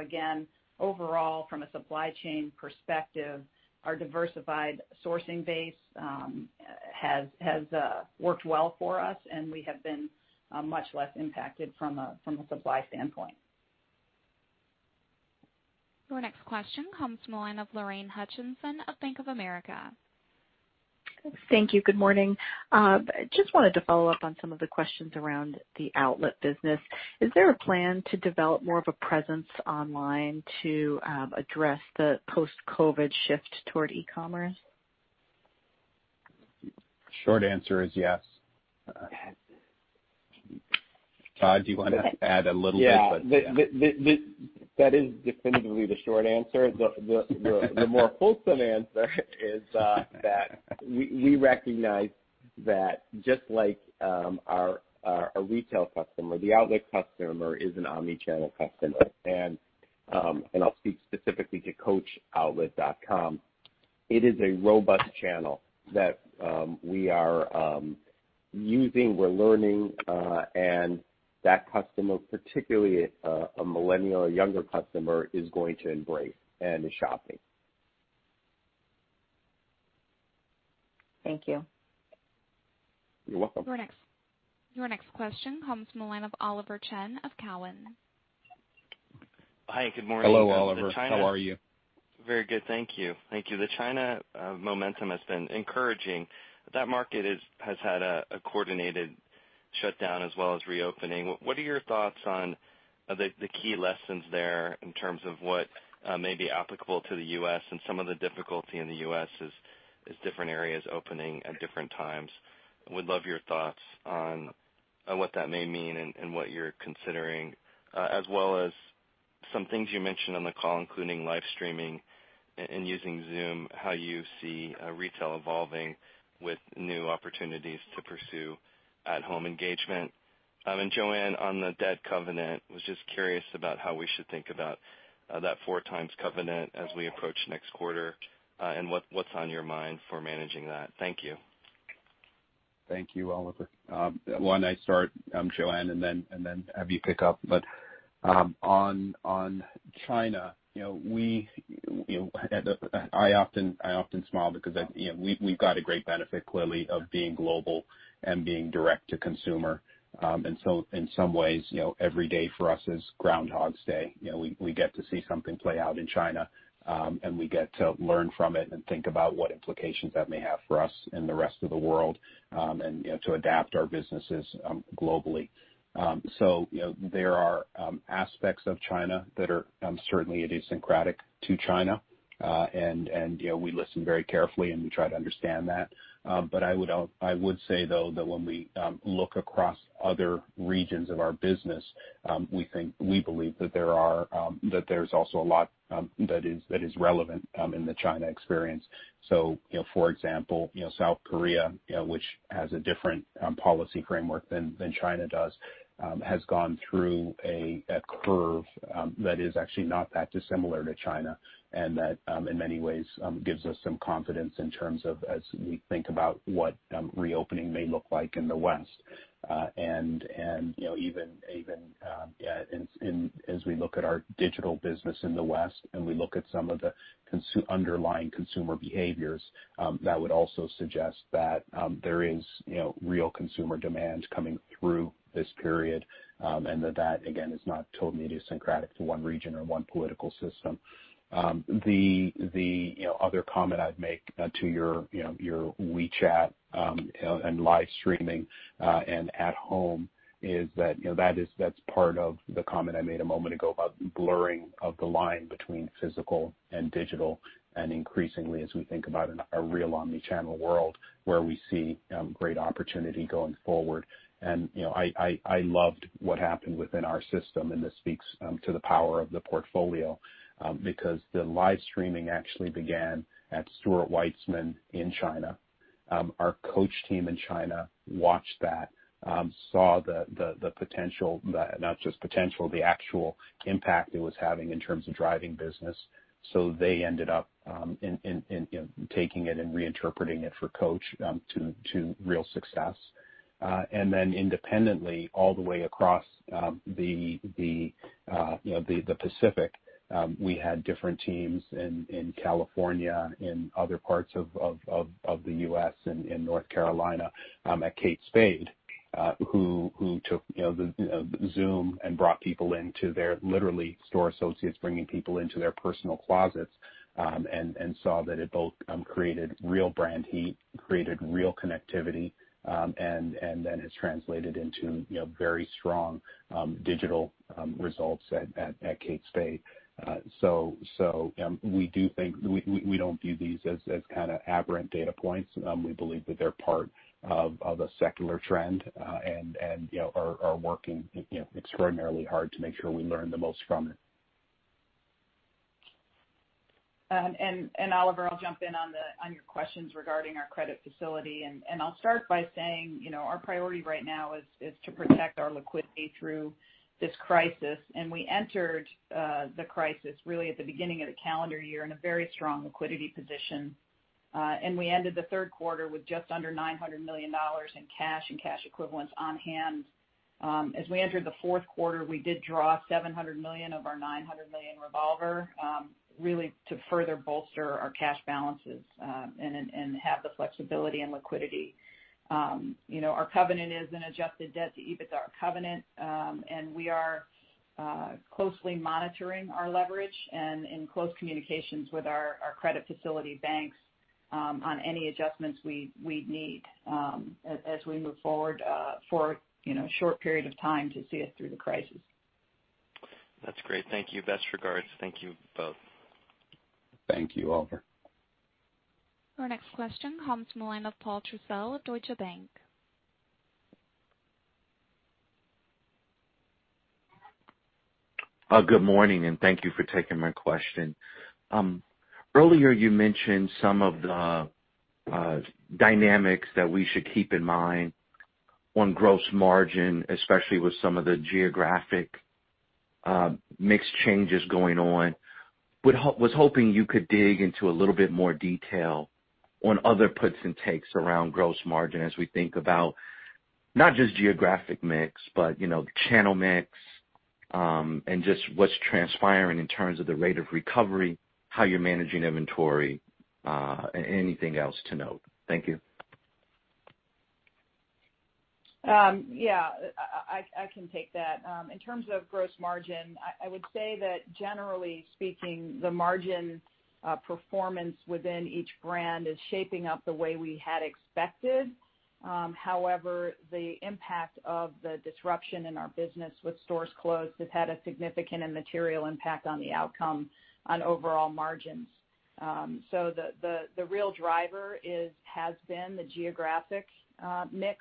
Again, overall, from a supply chain perspective, our diversified sourcing base has worked well for us, and we have been much less impacted from a supply standpoint. Your next question comes from the line of Lorraine Hutchinson of Bank of America. Thank you. Good morning. Just wanted to follow up on some of the questions around the outlet business. Is there a plan to develop more of a presence online to address the post-COVID shift toward e-commerce? Short answer is yes. Todd, do you want to add a little bit? Yeah. That is definitively the short answer. The more wholesome answer is that we recognize that just like our retail customer, the outlet customer is an omni-channel customer. I'll speak specifically to coachoutlet.com. It is a robust channel that we are using, we're learning, and that customer, particularly a millennial, a younger customer, is going to embrace and is shopping. Thank you. You're welcome. Your next question comes from the line of Oliver Chen of Cowen. Hi, good morning. Hello, Oliver. How are you? Very good, thank you. The China momentum has been encouraging. That market has had a coordinated shutdown as well as reopening. What are your thoughts on the key lessons there in terms of what may be applicable to the U.S. and some of the difficulty in the U.S. as different areas opening at different times. Would love your thoughts on what that may mean and what you're considering, as well as some things you mentioned on the call, including live streaming and using Zoom, how you see retail evolving with new opportunities to pursue at-home engagement. Joanne, on the debt covenant, was just curious about how we should think about that four times covenant as we approach next quarter, and what's on your mind for managing that. Thank you. Thank you, Oliver. Why don't I start, Joanne, and then have you pick up. On China, I often smile because we've got a great benefit clearly of being global and being direct to consumer. In some ways, every day for us is Groundhog's Day. We get to see something play out in China, and we get to learn from it and think about what implications that may have for us in the rest of the world, and to adapt our businesses globally. There are aspects of China that are certainly idiosyncratic to China. We listen very carefully, and we try to understand that. I would say, though, that when we look across other regions of our business, we believe that there's also a lot that is relevant in the China experience. For example, South Korea, which has a different policy framework than China does, has gone through a curve that is actually not that dissimilar to China, and that, in many ways, gives us some confidence in terms of as we think about what reopening may look like in the West. Even as we look at our digital business in the West, and we look at some of the underlying consumer behaviors, that would also suggest that there is real consumer demand coming through this period, and that again, is not totally idiosyncratic to one region or one political system. The other comment I'd make to your WeChat and live streaming and at home is that's part of the comment I made a moment ago about blurring of the line between physical and digital, and increasingly, as we think about a real omni-channel world where we see great opportunity going forward. I loved what happened within our system, and this speaks to the power of the portfolio, because the live streaming actually began at Stuart Weitzman in China. Our Coach team in China watched that, saw the potential, not just potential, the actual impact it was having in terms of driving business. They ended up taking it and reinterpreting it for Coach to real success. Independently all the way across the Pacific, we had different teams in California, in other parts of the U.S. and in North Carolina at Kate Spade, who took Zoom and brought people into their, literally store associates bringing people into their personal closets, and saw that it both created real brand heat, created real connectivity, and then has translated into very strong digital results at Kate Spade. We don't view these as aberrant data points. We believe that they're part of a secular trend, and are working extraordinarily hard to make sure we learn the most from it. Oliver, I'll jump in on your questions regarding our credit facility, and I'll start by saying our priority right now is to protect our liquidity through this crisis. We entered the crisis really at the beginning of the calendar year in a very strong liquidity position. We ended the third quarter with just under $900 million in cash and cash equivalents on hand. As we entered the fourth quarter, we did draw $700 million of our $900 million revolver, really to further bolster our cash balances and have the flexibility and liquidity. Our covenant is an adjusted debt to EBITDA covenant, we are closely monitoring our leverage and in close communications with our credit facility banks on any adjustments we need as we move forward for a short period of time to see us through the crisis. That's great. Thank you. Best regards. Thank you both. Thank you, Oliver. Our next question comes from the line of Paul Trussell, Deutsche Bank. Good morning. Thank you for taking my question. Earlier you mentioned some of the dynamics that we should keep in mind on gross margin, especially with some of the geographic mix changes going on. I was hoping you could dig into a little bit more detail on other puts and takes around gross margin as we think about not just geographic mix, but channel mix, and just what's transpiring in terms of the rate of recovery, how you're managing inventory, anything else to note. Thank you. Yeah, I can take that. In terms of gross margin, I would say that generally speaking, the margin performance within each brand is shaping up the way we had expected. The impact of the disruption in our business with stores closed has had a significant and material impact on the outcome on overall margins. The real driver has been the geographic mix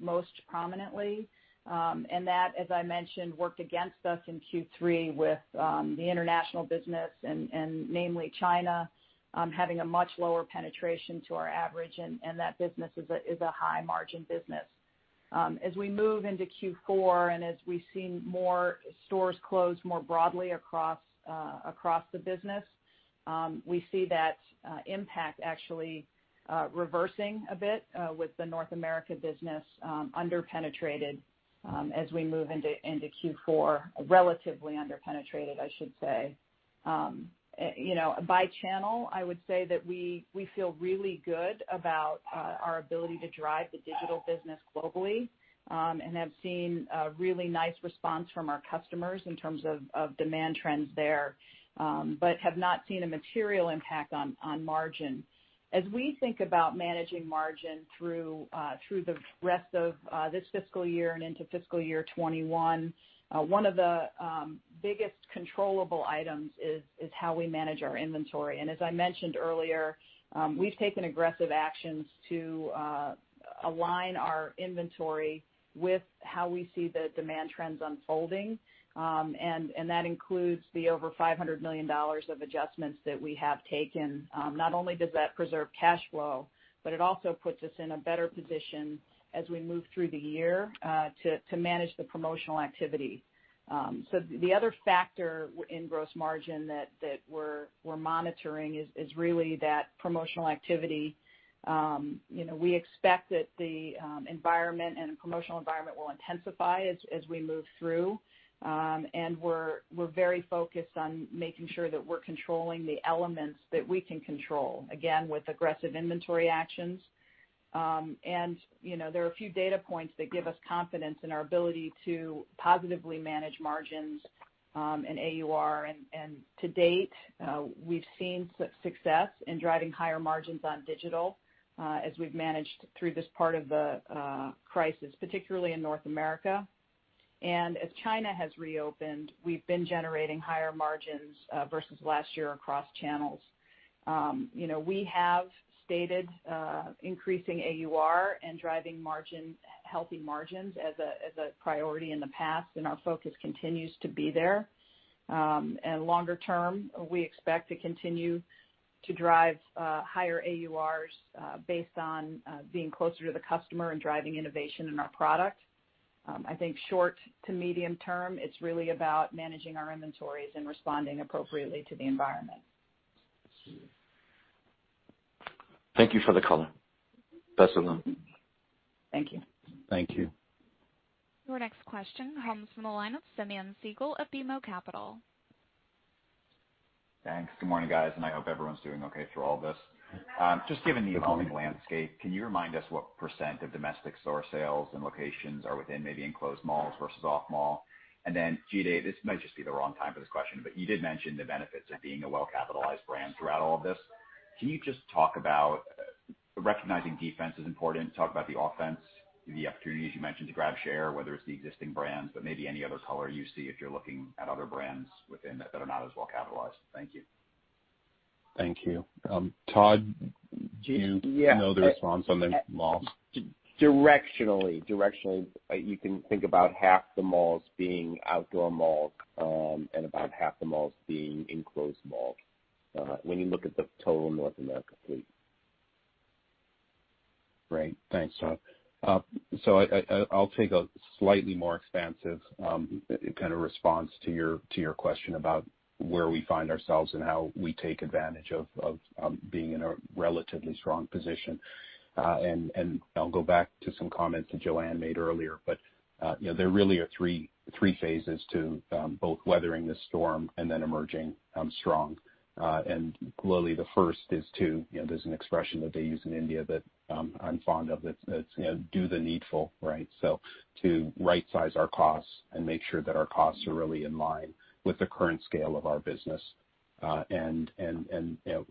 most prominently, and that, as I mentioned, worked against us in Q3 with the international business and namely China, having a much lower penetration to our average, and that business is a high margin business. As we move into Q4, and as we've seen more stores close more broadly across the business, we see that impact actually reversing a bit with the North America business under-penetrated as we move into Q4, relatively under-penetrated, I should say. By channel, I would say that we feel really good about our ability to drive the digital business globally, and have seen a really nice response from our customers in terms of demand trends there, but have not seen a material impact on margin. As we think about managing margin through the rest of this fiscal year and into fiscal year 2021, one of the biggest controllable items is how we manage our inventory. As I mentioned earlier, we've taken aggressive actions to align our inventory with how we see the demand trends unfolding, that includes the over $500 million of adjustments that we have taken. Not only does that preserve cash flow, but it also puts us in a better position as we move through the year to manage the promotional activity. The other factor in gross margin that we're monitoring is really that promotional activity. We expect that the environment and promotional environment will intensify as we move through. We're very focused on making sure that we're controlling the elements that we can control, again, with aggressive inventory actions. There are a few data points that give us confidence in our ability to positively manage margins and AUR, and to date, we've seen success in driving higher margins on digital as we've managed through this part of the crisis, particularly in North America. As China has reopened, we've been generating higher margins versus last year across channels. We have stated increasing AUR and driving healthy margins as a priority in the past, and our focus continues to be there. Longer term, we expect to continue to drive higher AURs based on being closer to the customer and driving innovation in our product. I think short to medium term, it's really about managing our inventories and responding appropriately to the environment. Thank you for the color. Best of luck. Thank you. Thank you. Your next question comes from the line of Simeon Siegel of BMO Capital. Thanks. Good morning, guys, and I hope everyone's doing okay through all this. Just given the evolving landscape, can you remind us what percent of domestic store sales and locations are within maybe enclosed malls versus off mall? Then, Jide, this might just be the wrong time for this question, but you did mention the benefits of being a well-capitalized brand throughout all of this. Can you just talk about recognizing defense is important, talk about the offense, the opportunities you mentioned to grab share, whether it's the existing brands, but maybe any other color you see if you're looking at other brands within that are not as well capitalized. Thank you. Thank you. Todd, do you know the response on the malls? Directionally, you can think about half the malls being outdoor malls, and about half the malls being enclosed malls when you look at the total North America fleet. Great. Thanks, Todd. I'll take a slightly more expansive response to your question about where we find ourselves and how we take advantage of being in a relatively strong position. I'll go back to some comments that Joanne made earlier, but there really are three phases to both weathering this storm and then emerging strong. Clearly the first is to, there's an expression that they use in India that I'm fond of that's, "Do the needful," right? To right-size our costs and make sure that our costs are really in line with the current scale of our business.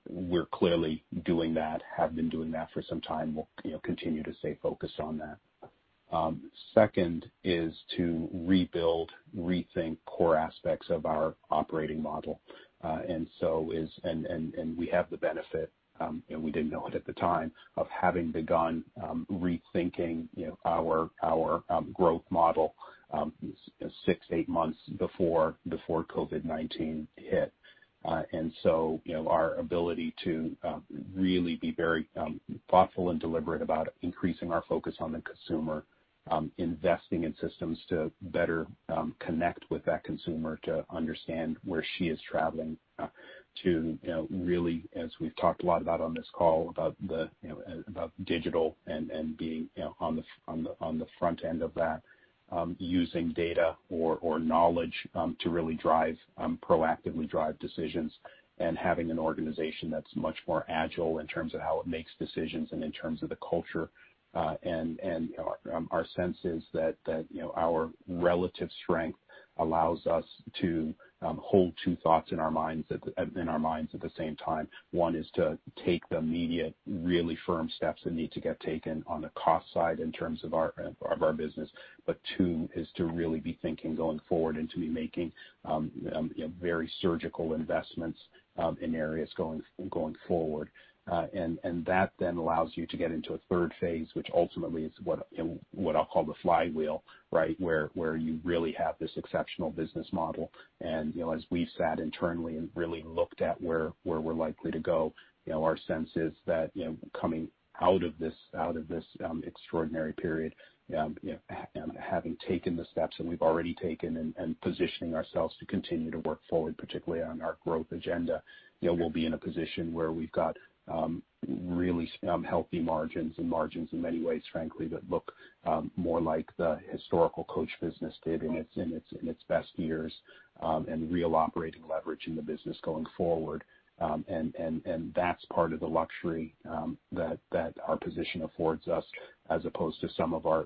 We're clearly doing that, have been doing that for some time. We'll continue to stay focused on that. Second is to rebuild, rethink core aspects of our operating model. We have the benefit, and we didn't know it at the time, of having begun rethinking our growth model six, eight months before COVID-19 hit. Our ability to really be very thoughtful and deliberate about increasing our focus on the consumer, investing in systems to better connect with that consumer to understand where she is traveling, to really, as we've talked a lot about on this call, about digital and being on the front end of that, using data or knowledge to really proactively drive decisions and having an organization that's much more agile in terms of how it makes decisions and in terms of the culture. Our sense is that our relative strength allows us to hold two thoughts in our minds at the same time. One is to take the immediate, really firm steps that need to get taken on the cost side in terms of our business. Two is to really be thinking going forward and to be making very surgical investments in areas going forward. That then allows you to get into a third phase, which ultimately is what I'll call the flywheel, right? Where you really have this exceptional business model. As we've sat internally and really looked at where we're likely to go, our sense is that coming out of this extraordinary period, having taken the steps that we've already taken and positioning ourselves to continue to work forward, particularly on our growth agenda, we'll be in a position where we've got really healthy margins, and margins in many ways, frankly, that look more like the historical Coach business did in its best years, and real operating leverage in the business going forward. That's part of the luxury that our position affords us as opposed to some of our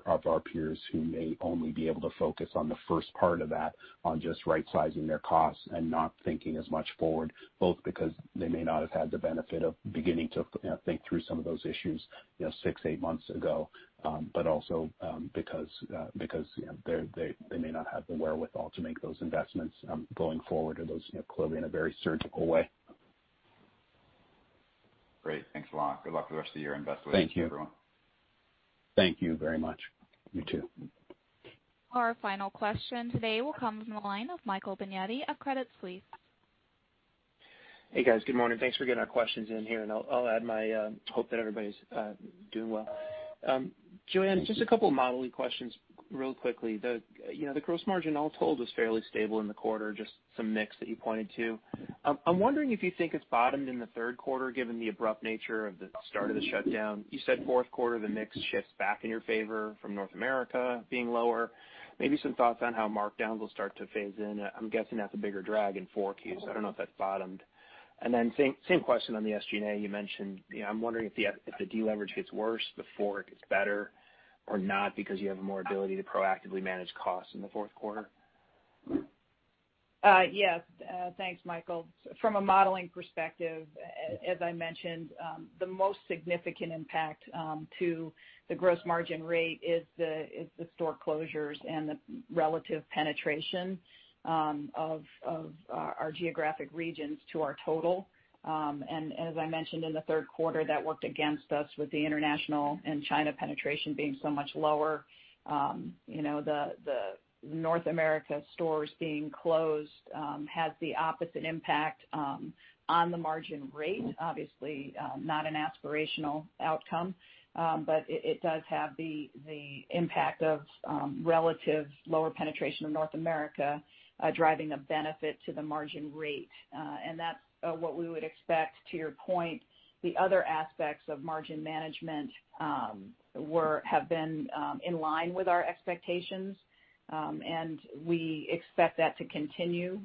peers who may only be able to focus on the first part of that, on just right-sizing their costs and not thinking as much forward, both because they may not have had the benefit of beginning to think through some of those issues six, eight months ago. Also because they may not have the wherewithal to make those investments going forward, and those clearly in a very surgical way. Great. Thanks a lot. Good luck with the rest of your investment day, everyone. Thank you. Thank you very much. You too. Our final question today will come from the line of Michael Binetti of Credit Suisse. Hey, guys. Good morning. Thanks for getting our questions in here. I'll add my hope that everybody's doing well. Joanne, just a couple modeling questions real quickly. The gross margin all told was fairly stable in the quarter, just some mix that you pointed to. I'm wondering if you think it's bottomed in the third quarter, given the abrupt nature of the start of the shutdown. You said fourth quarter, the mix shifts back in your favor from North America being lower. Maybe some thoughts on how markdowns will start to phase in. I'm guessing that's a bigger drag in 4Q. I don't know if that's bottomed. Then same question on the SG&A you mentioned. I'm wondering if the deleverage gets worse before it gets better or not because you have more ability to proactively manage costs in the fourth quarter. Yes. Thanks, Michael. From a modeling perspective, as I mentioned, the most significant impact to the gross margin rate is the store closures and the relative penetration of our geographic regions to our total. As I mentioned in the third quarter, that worked against us with the international and China penetration being so much lower. The North America stores being closed has the opposite impact on the margin rate. Obviously, not an aspirational outcome. It does have the impact of relative lower penetration of North America driving a benefit to the margin rate. That's what we would expect. To your point, the other aspects of margin management have been in line with our expectations, and we expect that to continue.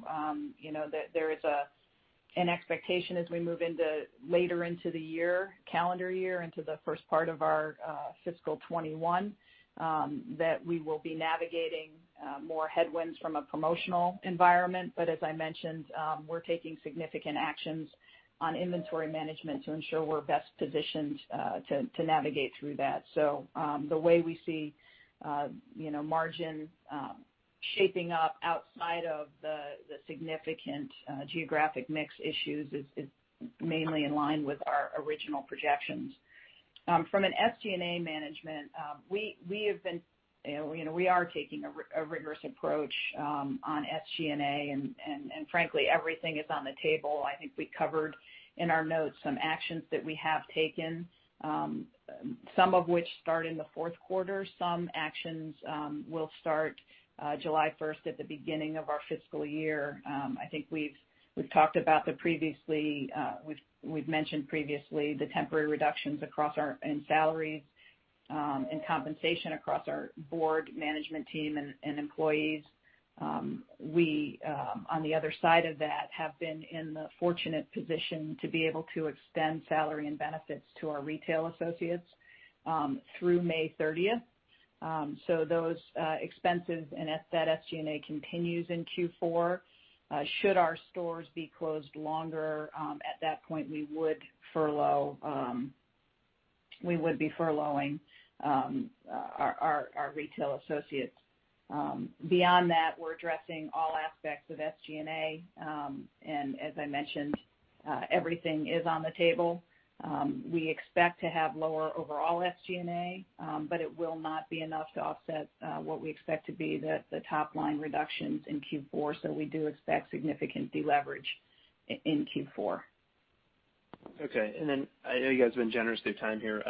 There is an expectation as we move later into the calendar year, into the first part of our fiscal 2021, that we will be navigating more headwinds from a promotional environment. As I mentioned, we're taking significant actions on inventory management to ensure we're best positioned to navigate through that. The way we see margin shaping up outside of the significant geographic mix issues is mainly in line with our original projections. From an SG&A management, we are taking a rigorous approach on SG&A, and frankly, everything is on the table. I think we covered in our notes some actions that we have taken, some of which start in the fourth quarter. Some actions will start July 1st at the beginning of our fiscal year. I think we've mentioned previously the temporary reductions in salaries and compensation across our board management team and employees. We, on the other side of that, have been in the fortunate position to be able to extend salary and benefits to our retail associates through May 30th. Those expenses and that SG&A continues in Q4. Should our stores be closed longer, at that point, we would be furloughing our retail associates. Beyond that, we're addressing all aspects of SG&A. As I mentioned, everything is on the table. We expect to have lower overall SG&A, but it will not be enough to offset what we expect to be the top-line reductions in Q4. We do expect significant deleverage in Q4. Okay. I know you guys have been generous with your time here.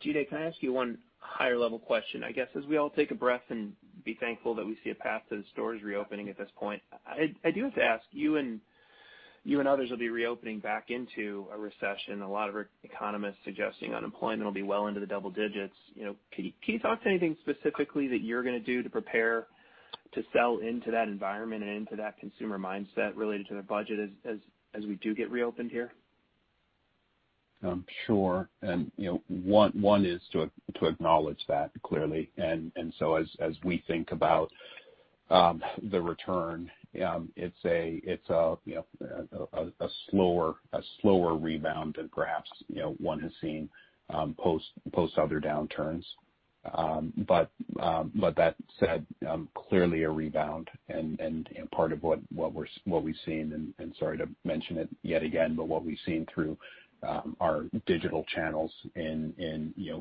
Jide, can I ask you one higher-level question? I guess as we all take a breath and be thankful that we see a path to the stores reopening at this point, I do have to ask, you and others will be reopening back into a recession. A lot of economists suggesting unemployment will be well into the double digits. Can you talk to anything specifically that you're going to do to prepare to sell into that environment and into that consumer mindset related to their budget as we do get reopened here? Sure. One is to acknowledge that, clearly. As we think about the return, it's a slower rebound than perhaps one has seen post other downturns. That said, clearly a rebound and part of what we've seen, and sorry to mention it yet again, but what we've seen through our digital channels in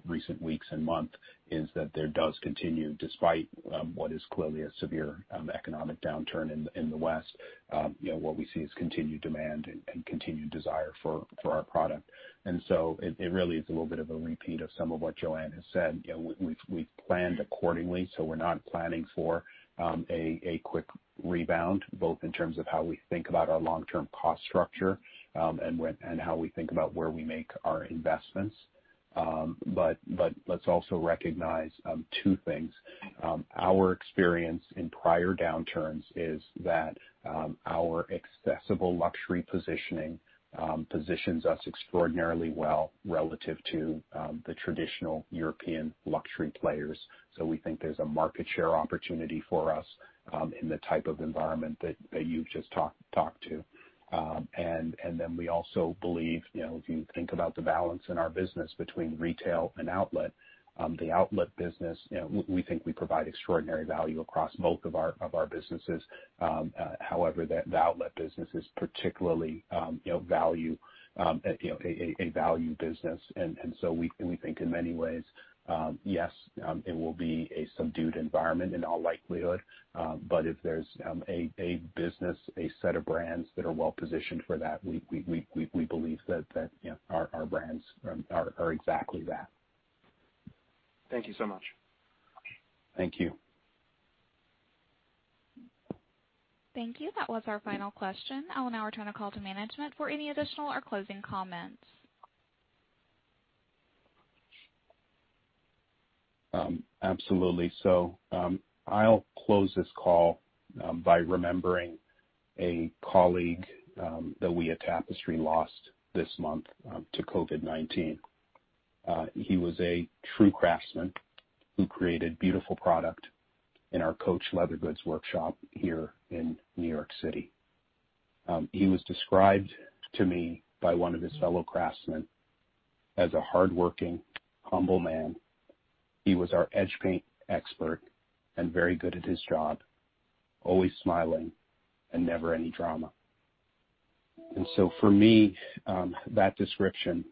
recent weeks and month is that there does continue, despite what is clearly a severe economic downturn in the West, what we see is continued demand and continued desire for our product. It really is a little bit of a repeat of some of what Joanne has said. We've planned accordingly, so we're not planning for a quick rebound, both in terms of how we think about our long-term cost structure and how we think about where we make our investments. Let's also recognize two things. Our experience in prior downturns is that our accessible luxury positioning positions us extraordinarily well relative to the traditional European luxury players. We think there's a market share opportunity for us in the type of environment that you've just talked to. We also believe, if you think about the balance in our business between retail and outlet, the outlet business, we think we provide extraordinary value across both of our businesses. However, the outlet business is particularly a value business. We think in many ways yes, it will be a subdued environment in all likelihood. If there's a business, a set of brands that are well-positioned for that, we believe that our brands are exactly that. Thank you so much. Thank you. Thank you. That was our final question. I will now return the call to management for any additional or closing comments. Absolutely. I'll close this call by remembering a colleague that we at Tapestry lost this month to COVID-19. He was a true craftsman who created beautiful product in our Coach leather goods workshop here in New York City. He was described to me by one of his fellow craftsmen as a hardworking, humble man. He was our edge paint expert and very good at his job, always smiling and never any drama. For me, that description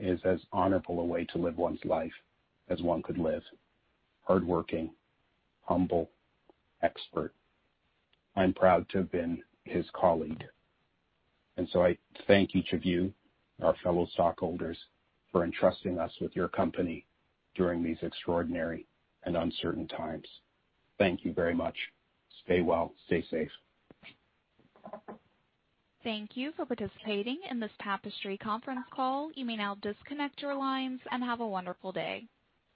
is as honorable a way to live one's life as one could live. Hardworking, humble, expert. I'm proud to have been his colleague, and so I thank each of you, our fellow stockholders, for entrusting us with your company during these extraordinary and uncertain times. Thank you very much. Stay well, stay safe. Thank you for participating in this Tapestry conference call. You may now disconnect your lines and have a wonderful day.